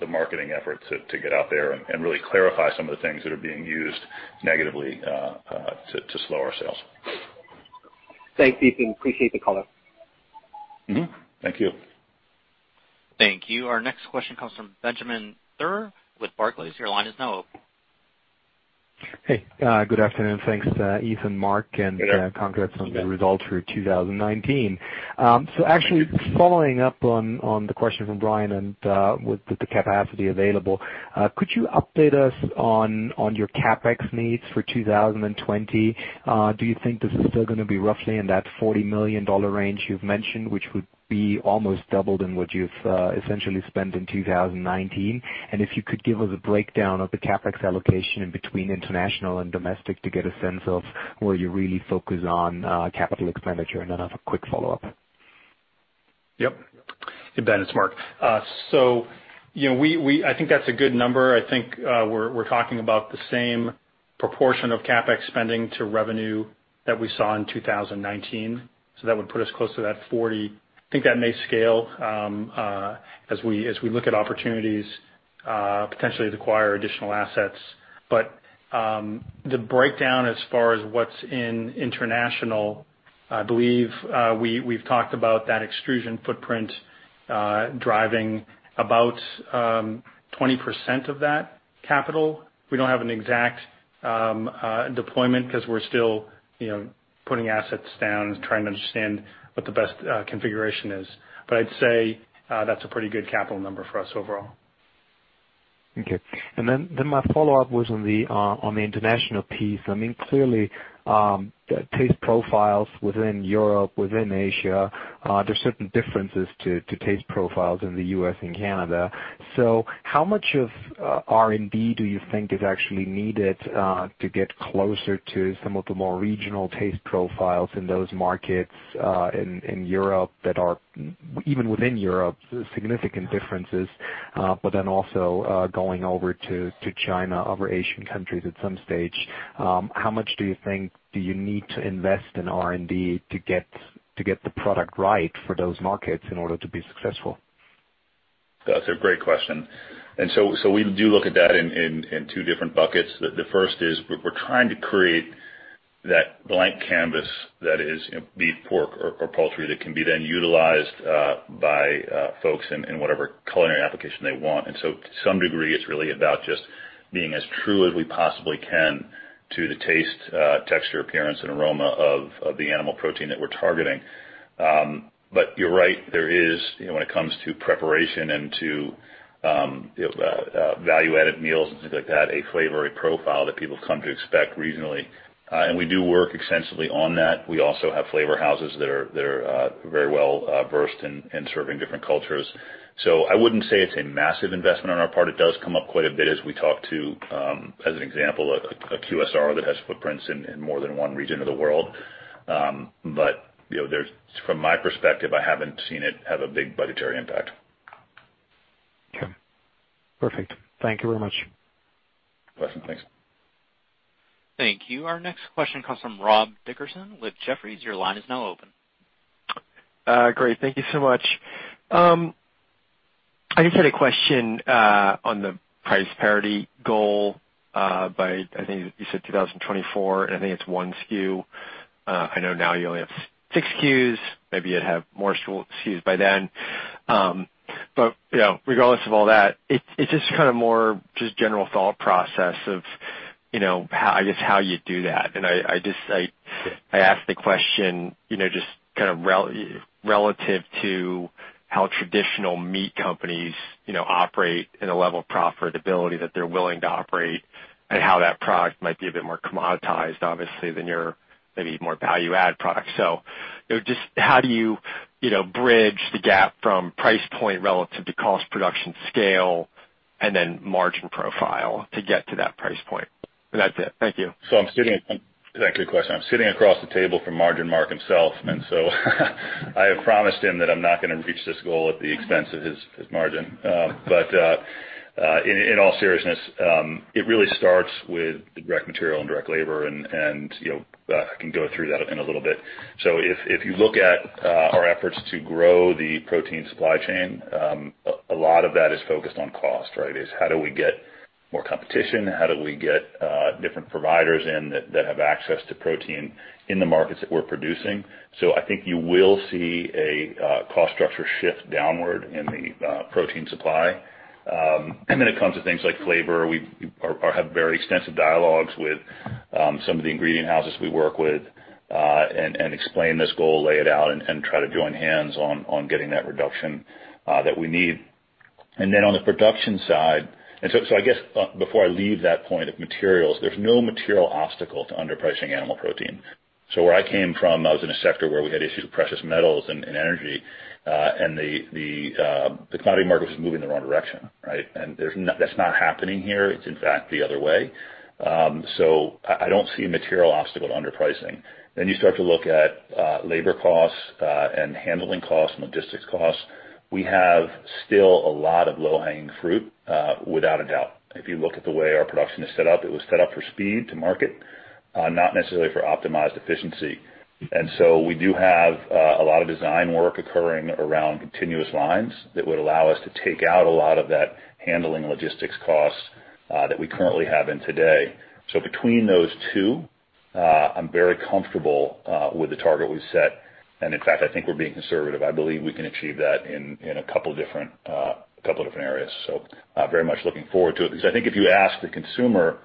the marketing effort to get out there and really clarify some of the things that are being used negatively to slow our sales. Thanks, Ethan. Appreciate the call. Mm-hmm. Thank you. Thank you. Our next question comes from Benjamin Theurer with Barclays. Your line is now open. Hey. Good afternoon. Thanks, Ethan, Mark. Good. Congrats on the results for 2019. Actually, following up on the question from Bryan and with the capacity available, could you update us on your CapEx needs for 2020? Do you think this is still going to be roughly in that $40 million range you've mentioned, which would be almost doubled in what you've essentially spent in 2019? If you could give us a breakdown of the CapEx allocation in between international and domestic to get a sense of where you really focus on capital expenditure. Then I have a quick follow-up. Yep. Hey, Ben, it's Mark. I think that's a good number. I think we're talking about the same proportion of CapEx spending to revenue that we saw in 2019. That would put us close to that 40. I think that may scale as we look at opportunities, potentially to acquire additional assets. The breakdown as far as what's in international, I believe we've talked about that extrusion footprint driving about 20% of that capital. We don't have an exact deployment because we're still putting assets down, trying to understand what the best configuration is. I'd say that's a pretty good capital number for us overall. Okay. My follow-up was on the international piece. Clearly, the taste profiles within Europe, within Asia, there's certain differences to taste profiles in the U.S. and Canada. How much of R&D do you think is actually needed to get closer to some of the more regional taste profiles in those markets in Europe that are, even within Europe, significant differences, but then also going over to China, other Asian countries at some stage. How much do you think do you need to invest in R&D to get the product right for those markets in order to be successful? That's a great question. We do look at that in two different buckets. The first is we're trying to create that blank canvas that is beef, pork, or poultry that can be then utilized by folks in whatever culinary application they want. To some degree, it's really about just being as true as we possibly can to the taste, texture, appearance, and aroma of the animal protein that we're targeting. You're right, there is, when it comes to preparation and to value-added meals and things like that, a flavor profile that people come to expect reasonably. We do work extensively on that. We also have flavor houses that are very well-versed in serving different cultures. I wouldn't say it's a massive investment on our part. It does come up quite a bit as we talk to, as an example, a QSR that has footprints in more than one region of the world. From my perspective, I haven't seen it have a big budgetary impact. Okay, perfect. Thank you very much. Pleasure. Thanks. Thank you. Our next question comes from Rob Dickerson with Jefferies. Your line is now open. Great. Thank you so much. I just had a question on the price parity goal by, I think you said 2024, and I think it's one SKU. I know now you only have six SKUs. Maybe you'd have more SKUs by then. Regardless of all that, it's just more just general thought process of how you do that. I ask the question, just relative to how traditional meat companies operate in a level of profitability that they're willing to operate and how that product might be a bit more commoditized, obviously, than your maybe more value-add product. Just how do you bridge the gap from price point relative to cost production scale, and then margin profile to get to that price point? That's it. Thank you. That's a good question. I'm sitting across the table from Mark himself. I have promised him that I'm not going to reach this goal at the expense of his margin. In all seriousness, it really starts with direct material and direct labor and I can go through that in a little bit. If you look at our efforts to grow the protein supply chain, a lot of that is focused on cost, right? Is how do we get more competition? How do we get different providers in that have access to protein in the markets that we're producing? I think you will see a cost structure shift downward in the protein supply. It comes to things like flavor. We have very extensive dialogues with some of the ingredient houses we work with and explain this goal, lay it out, and try to join hands on getting that reduction that we need. On the production side-- I guess before I leave that point of materials, there's no material obstacle to underpricing animal protein. Where I came from, I was in a sector where we had issues with precious metals and energy. The commodity market was moving in the wrong direction, right? That's not happening here. It's in fact the other way. I don't see a material obstacle to underpricing. You start to look at labor costs and handling costs, logistics costs. We have still a lot of low-hanging fruit, without a doubt. If you look at the way our production is set up, it was set up for speed to market, not necessarily for optimized efficiency. We do have a lot of design work occurring around continuous lines that would allow us to take out a lot of that handling logistics costs that we currently have in today. Between those two, I'm very comfortable with the target we've set. In fact, I think we're being conservative. I believe we can achieve that in a couple of different areas. Very much looking forward to it, because I think if you ask the consumer,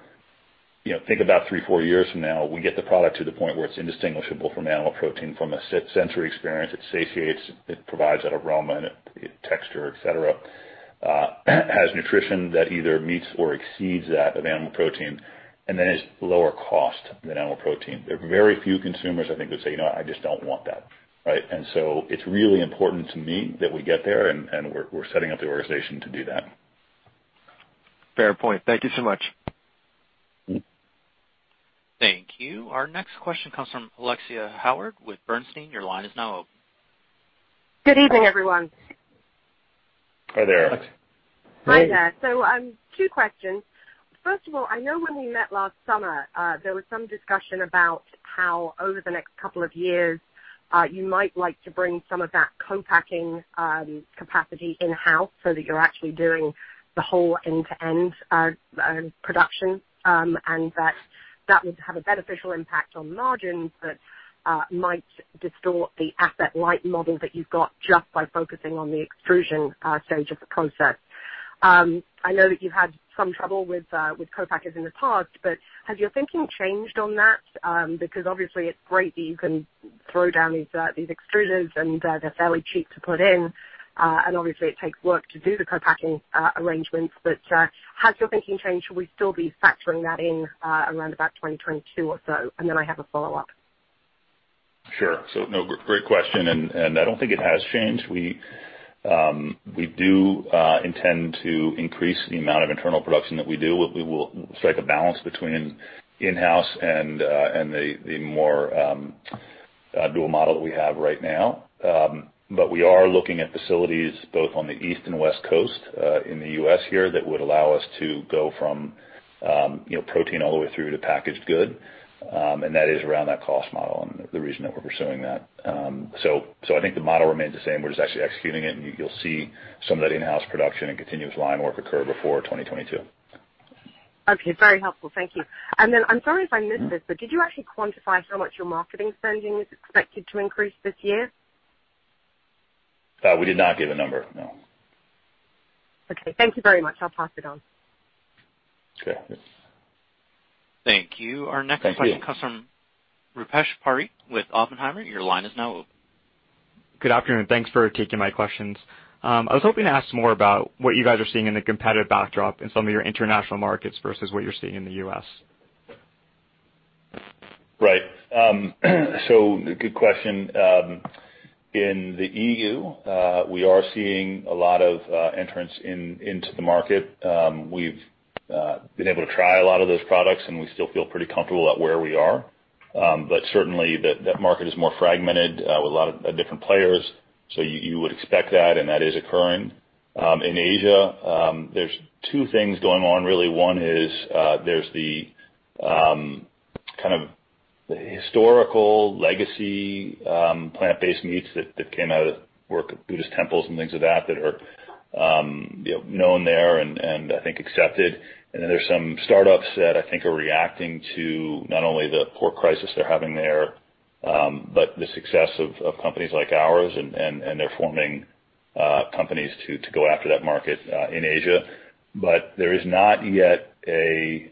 think about three, four years from now, we get the product to the point where it's indistinguishable from animal protein from a sensory experience. It satiates, it provides that aroma and texture, et cetera, has nutrition that either meets or exceeds that of animal protein and then is lower cost than animal protein. There are very few consumers, I think, that say, "I just don't want that." Right? It's really important to me that we get there and we're setting up the organization to do that. Fair point. Thank you so much. Thank you. Our next question comes from Alexia Howard with Bernstein. Your line is now open. Good evening, everyone. Hi there. Alexia. Hi there. Two questions. First of all, I know when we met last summer, there was some discussion about how over the next couple of years, you might like to bring some of that co-packing capacity in-house so that you're actually doing the whole end-to-end production. That that would have a beneficial impact on margins that might distort the asset light model that you've got just by focusing on the extrusion stage of the process. I know that you've had some trouble with co-packers in the past, has your thinking changed on that? Because obviously it's great that you can throw down these extruders and they're fairly cheap to put in. Obviously it takes work to do the co-packing arrangements. Has your thinking changed? Should we still be factoring that in around about 2022 or so? Then I have a follow-up. Sure. No, great question, and I don't think it has changed. We do intend to increase the amount of internal production that we do. We will strike a balance between in-house and the more dual model that we have right now. We are looking at facilities both on the East and West Coast in the U.S. here that would allow us to go from protein all the way through to packaged good. That is around that cost model and the reason that we're pursuing that. I think the model remains the same. We're just actually executing it and you'll see some of that in-house production and continuous line work occur before 2022. Okay, very helpful. Thank you. I'm sorry if I missed this, but did you actually quantify how much your marketing spending is expected to increase this year? We did not give a number, no. Okay. Thank you very much. I'll pass it on. Okay. Thanks. Thank you. Thank you. Our next question comes from Rupesh Parikh with Oppenheimer. Your line is now open. Good afternoon. Thanks for taking my questions. I was hoping to ask more about what you guys are seeing in the competitive backdrop in some of your international markets versus what you're seeing in the U.S. Right. Good question. In the EU, we are seeing a lot of entrants into the market. We've been able to try a lot of those products, and we still feel pretty comfortable at where we are. Certainly, that market is more fragmented with a lot of different players. You would expect that, and that is occurring. In Asia, there's two things going on really. One is, there's the kind of historical legacy plant-based meats that came out of work at Buddhist temples and things like that are known there and I think accepted. There's some startups that I think are reacting to not only the pork crisis they're having there, but the success of companies like ours, and they're forming companies to go after that market in Asia. There is not yet a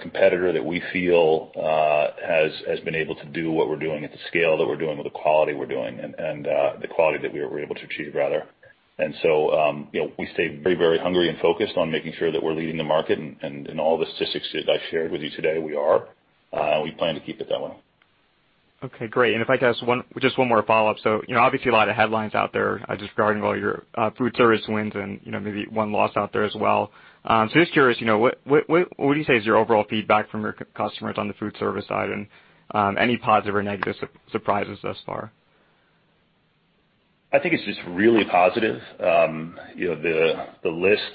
competitor that we feel has been able to do what we're doing at the scale that we're doing, with the quality we're doing, and the quality that we were able to achieve, rather. We stay very hungry and focused on making sure that we're leading the market, and in all the statistics that I shared with you today, we are. We plan to keep it that way. Okay, great. If I could ask just one more follow-up. Obviously a lot of headlines out there just regarding all your food service wins and maybe one loss out there as well. Just curious, what would you say is your overall feedback from your customers on the food service side? Any positive or negative surprises thus far? I think it's just really positive. The list,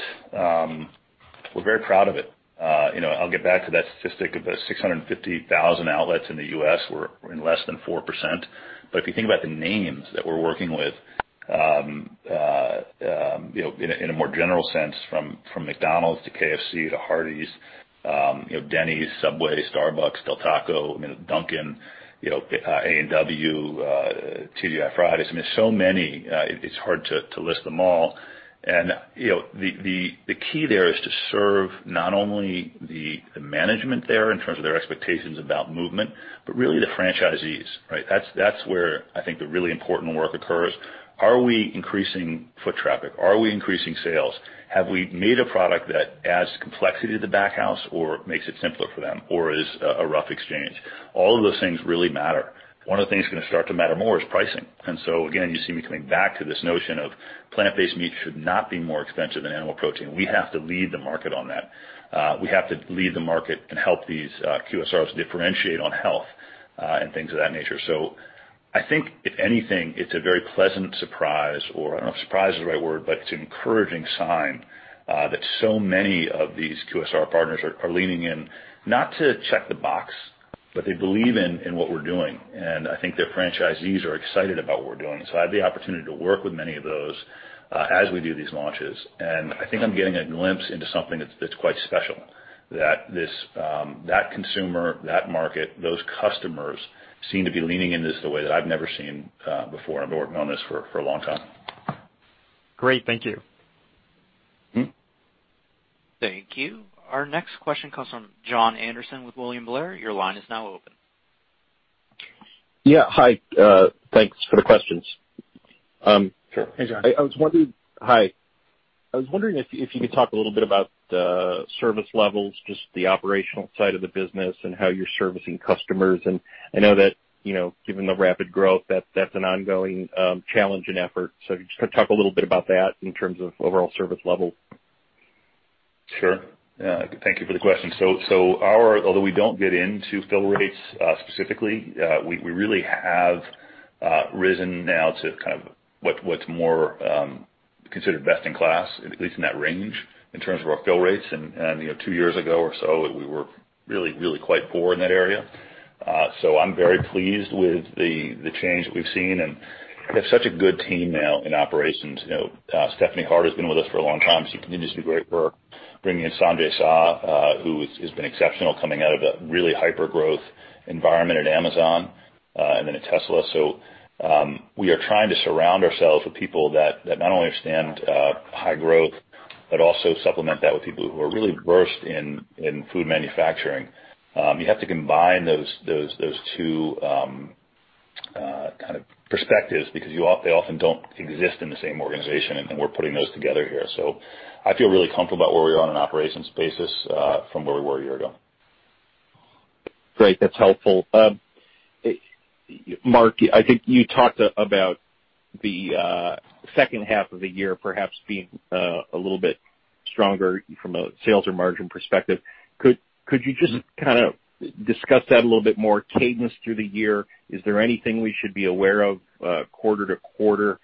we're very proud of it. I'll get back to that statistic about 650,000 outlets in the U.S. We're in less than 4%. If you think about the names that we're working with, in a more general sense, from McDonald's to KFC to Hardee's, Denny's, Subway, Starbucks, Del Taco, Dunkin', A&W, TGI Fridays. I mean, so many, it's hard to list them all. The key there is to serve not only the management there in terms of their expectations about movement, but really the franchisees, right? That's where I think the really important work occurs. Are we increasing foot traffic? Are we increasing sales? Have we made a product that adds complexity to the backhouse or makes it simpler for them, or is a rough exchange? All of those things really matter. One of the things that's going to start to matter more is pricing. Again, you see me coming back to this notion of plant-based meat should not be more expensive than animal protein. We have to lead the market on that. We have to lead the market and help these QSRs differentiate on health, and things of that nature. I think if anything, it's a very pleasant surprise, or I don't know if surprise is the right word, but it's an encouraging sign that so many of these QSR partners are leaning in, not to check the box, but they believe in what we're doing. I think their franchisees are excited about what we're doing. I have the opportunity to work with many of those as we do these launches. I think I'm getting a glimpse into something that's quite special. That consumer, that market, those customers seem to be leaning into this the way that I've never seen before, and I've been working on this for a long time. Great. Thank you. Thank you. Our next question comes from Jon Andersen with William Blair. Your line is now open. Yeah. Hi. Thanks for the questions. Sure. Hey, Jon. Hi. I was wondering if you could talk a little bit about the service levels, just the operational side of the business and how you're servicing customers? I know that given the rapid growth, that's an ongoing challenge and effort. Just talk a little bit about that in terms of overall service level. Sure. Thank you for the question. Although we don't get into fill rates specifically, we really have risen now to kind of what's more considered best in class, at least in that range, in terms of our fill rates. Two years ago or so, we were really quite poor in that area. I'm very pleased with the change that we've seen, and we have such a good team now in operations. Stephanie Hart has been with us for a long time, so she continues to do great work. Bringing in Sanjay Shah, who has been exceptional coming out of a really hyper-growth environment at Amazon, and then at Tesla. We are trying to surround ourselves with people that not only understand high growth, but also supplement that with people who are really versed in food manufacturing. You have to combine those two kind of perspectives because they often don't exist in the same organization, and we're putting those together here. I feel really comfortable about where we are on an operations basis from where we were a year ago. Great. That's helpful. Mark, I think you talked about the second half of the year perhaps being a little bit stronger from a sales or margin perspective. Could you just kind of discuss that a little bit more, cadence through the year? Is there anything we should be aware of quarter to quarter,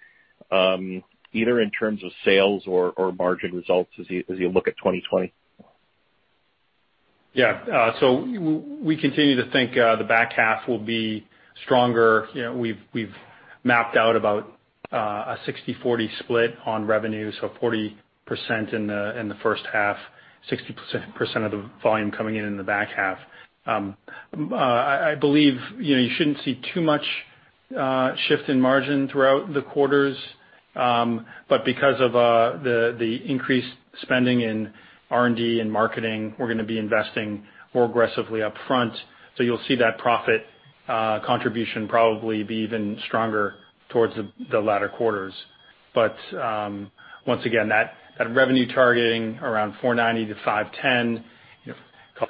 either in terms of sales or margin results as you look at 2020? Yeah. We continue to think the back half will be stronger. We've mapped out about a 60/40 split on revenue, so 40% in the first half, 60% of the volume coming in in the back half. I believe you shouldn't see too much shift in margin throughout the quarters. Because of the increased spending in R&D and marketing, we're going to be investing more aggressively upfront. You'll see that profit contribution probably be even stronger towards the latter quarters. Once again, that revenue targeting around $490-$510,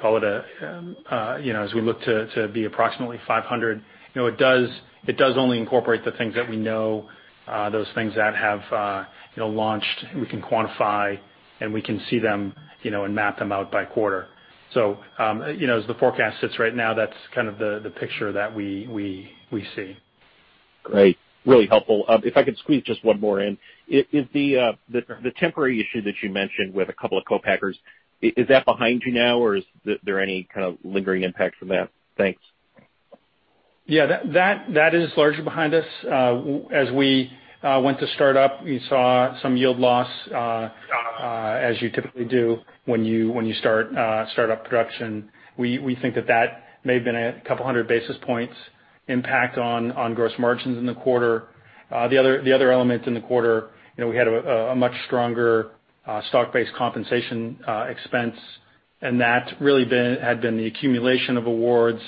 call it as we look to be approximately $500, it does only incorporate the things that we know, those things that have launched, we can quantify, and we can see them and map them out by quarter. As the forecast sits right now, that's kind of the picture that we see. Great. Really helpful. If I could squeeze just one more in. Is the temporary issue that you mentioned with a couple of co-packers, is that behind you now, or is there any kind of lingering impact from that? Thanks. Yeah, that is largely behind us. As we went to start up, we saw some yield loss, as you typically do when you start up production. We think that that may have been a couple of hundred basis points impact on gross margins in the quarter. The other element in the quarter, we had a much stronger stock-based compensation expense. That really had been the accumulation of awards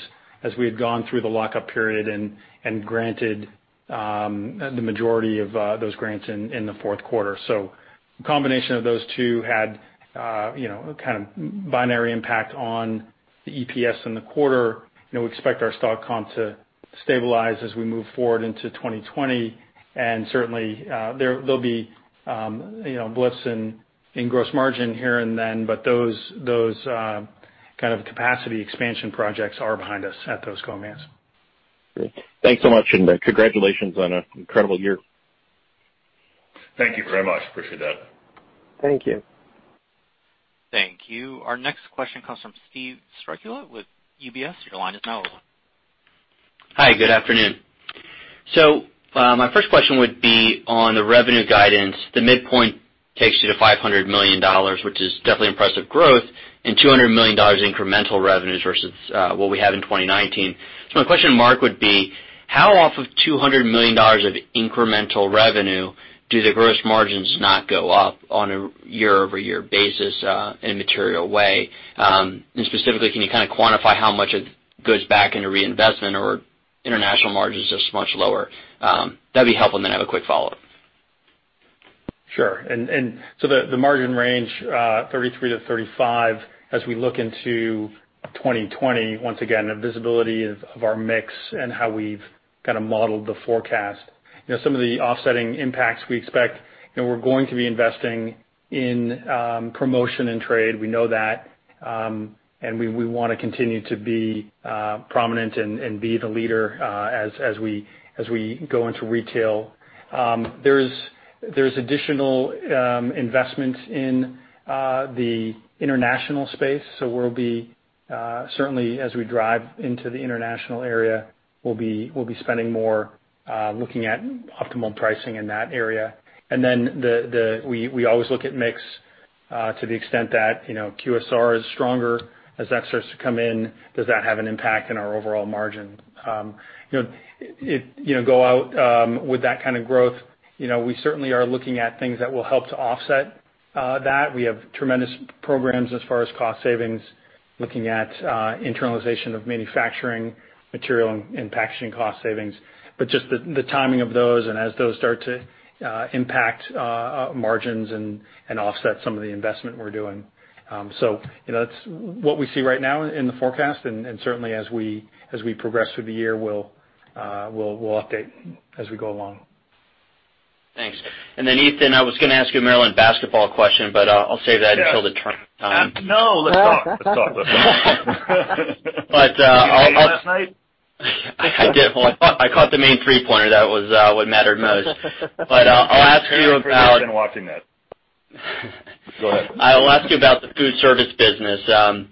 as we had gone through the lock-up period and granted the majority of those grants in the fourth quarter. The combination of those two had a kind of binary impact on the EPS in the quarter. We expect our stock comp to stabilize as we move forward into 2020. Certainly, there'll be blitz in gross margin here and then, those kind of capacity expansion projects are behind us at those co-mans. Great. Thanks so much, and congratulations on an incredible year. Thank you very much. Appreciate that. Thank you. Thank you. Our next question comes from Steve Strycula with UBS. Your line is now open. Hi, good afternoon. My first question would be on the revenue guidance. The midpoint takes you to $500 million, which is definitely impressive growth, and $200 million incremental revenues versus what we have in 2019. My question mark would be, how off of $200 million of incremental revenue do the gross margins not go up on a year-over-year basis in a material way? Specifically, can you kind of quantify how much it goes back into reinvestment or international margins are just much lower? That'd be helpful. I have a quick follow-up. Sure. The margin range, 33%-35% as we look into 2020, once again, the visibility of our mix and how we've kind of modeled the forecast. Some of the offsetting impacts we expect, we're going to be investing in promotion and trade. We know that. We want to continue to be prominent and be the leader as we go into retail. There's additional investment in the international space, so we'll be certainly as we drive into the international area, we'll be spending more looking at optimal pricing in that area. We always look at mix to the extent that QSR is stronger as that starts to come in, does that have an impact in our overall margin? Go out with that kind of growth, we certainly are looking at things that will help to offset that. We have tremendous programs as far as cost savings, looking at internalization of manufacturing material and packaging cost savings, just the timing of those and as those start to impact margins and offset some of the investment we're doing. That's what we see right now in the forecast and certainly as we progress through the year, we'll update as we go along. Thanks. Ethan, I was going to ask you a Maryland basketball question, but I'll save that until the turn time. No, let's talk. Did you see last night? I did. Well, I caught the main three-pointer. That was what mattered most. I'll ask you about- Teri would have been watching that. Go ahead. I'll ask you about the food service business. I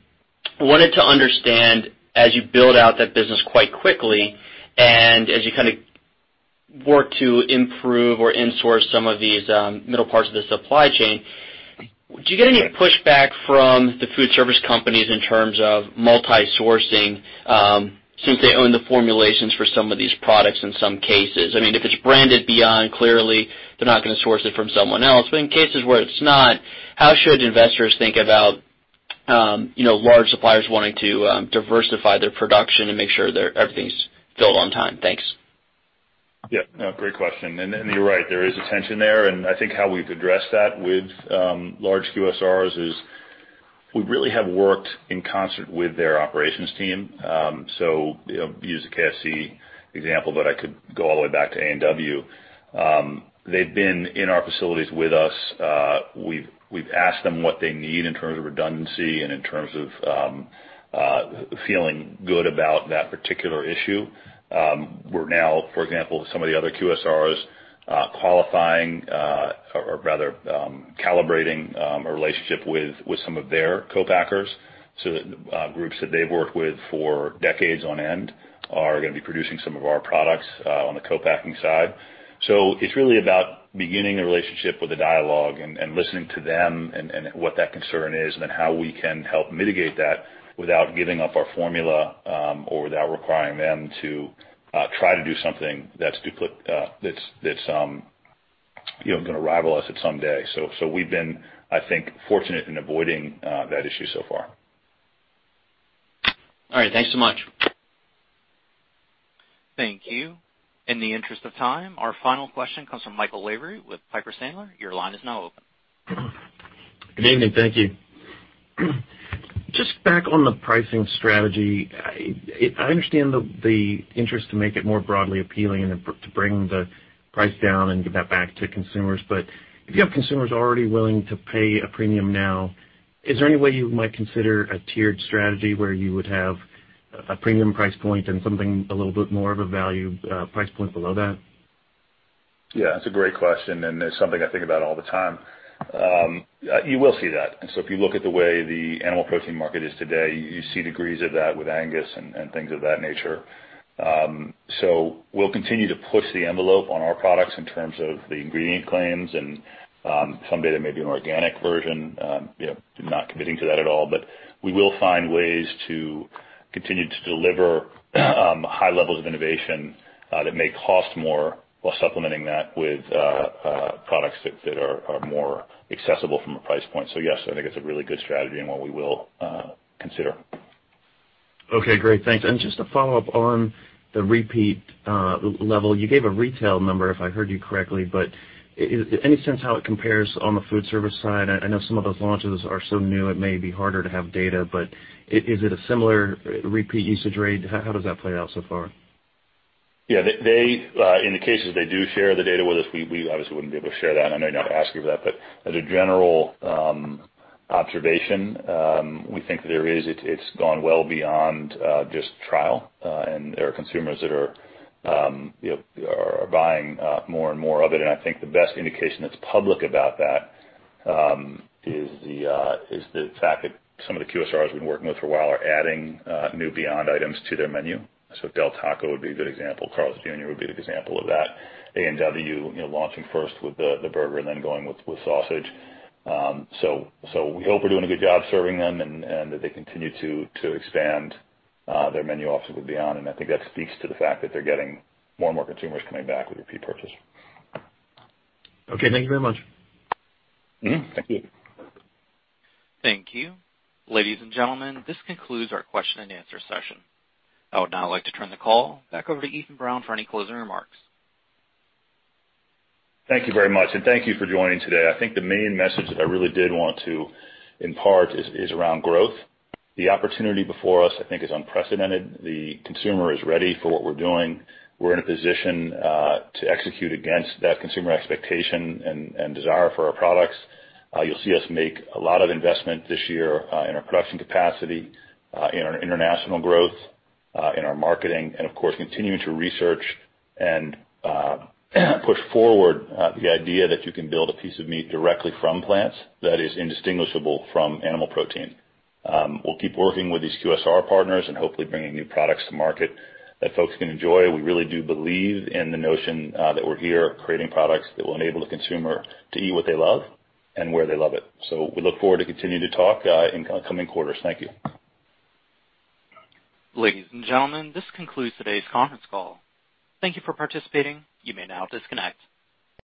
wanted to understand, as you build out that business quite quickly, and as you kind of work to improve or in-source some of these middle parts of the supply chain, do you get any pushback from the food service companies in terms of multi-sourcing, since they own the formulations for some of these products in some cases? I mean, if it's branded Beyond, clearly they're not going to source it from someone else. In cases where it's not, how should investors think about large suppliers wanting to diversify their production and make sure everything's filled on time? Thanks. Yeah. No, great question. You're right, there is a tension there, and I think how we've addressed that with large QSRs is we really have worked in concert with their operations team. Use the KFC example, but I could go all the way back to A&W. They've been in our facilities with us. We've asked them what they need in terms of redundancy and in terms of feeling good about that particular issue. We're now, for example, some of the other QSRs qualifying or rather calibrating a relationship with some of their co-packers so that groups that they've worked with for decades on end are going to be producing some of our products on the co-packing side. It's really about beginning a relationship with a dialogue and listening to them and what that concern is, and then how we can help mitigate that without giving up our formula, or without requiring them to try to do something that's going to rival us someday. We've been, I think, fortunate in avoiding that issue so far. All right. Thanks so much. Thank you. In the interest of time, our final question comes from Michael Lavery with Piper Sandler. Your line is now open. Good evening. Thank you. Just back on the pricing strategy. I understand the interest to make it more broadly appealing and to bring the price down and give that back to consumers. If you have consumers already willing to pay a premium now, is there any way you might consider a tiered strategy where you would have a premium price point and something a little bit more of a value price point below that? Yeah, that's a great question, and it's something I think about all the time. You will see that. If you look at the way the animal protein market is today, you see degrees of that with Angus and things of that nature. We'll continue to push the envelope on our products in terms of the ingredient claims, and someday there may be an organic version. Not committing to that at all. We will find ways to continue to deliver high levels of innovation that may cost more while supplementing that with products that are more accessible from a price point. Yes, I think it's a really good strategy and one we will consider. Okay, great. Thanks. Just a follow-up on the repeat level, you gave a retail number, if I heard you correctly, but any sense how it compares on the food service side? I know some of those launches are so new it may be harder to have data, but is it a similar repeat usage rate? How does that play out so far? In the cases they do share the data with us, we obviously wouldn't be able to share that, and I know you're not asking for that. As a general observation, we think that it's gone well beyond just trial. There are consumers that are buying more and more of it. I think the best indication that's public about that is the fact that some of the QSRs we've been working with for a while are adding new Beyond items to their menu. Del Taco would be a good example. Carl's Jr. would be a good example of that. A&W launching first with the burger and then going with sausage. We hope we're doing a good job serving them and that they continue to expand their menu options with Beyond. I think that speaks to the fact that they're getting more and more consumers coming back with repeat purchase. Okay, thank you very much. Mm-hmm. Thank you. Thank you. Ladies and gentlemen, this concludes our question and answer session. I would now like to turn the call back over to Ethan Brown for any closing remarks. Thank you very much. Thank you for joining today. I think the main message that I really did want to impart is around growth. The opportunity before us, I think, is unprecedented. The consumer is ready for what we're doing. We're in a position to execute against that consumer expectation and desire for our products. You'll see us make a lot of investment this year in our production capacity, in our international growth, in our marketing, and of course, continuing to research and push forward the idea that you can build a piece of meat directly from plants that is indistinguishable from animal protein. We'll keep working with these QSR partners and hopefully bringing new products to market that folks can enjoy. We really do believe in the notion that we're here creating products that will enable the consumer to eat what they love and where they love it. We look forward to continuing to talk in coming quarters. Thank you. Ladies and gentlemen, this concludes today's conference call. Thank you for participating. You may now disconnect.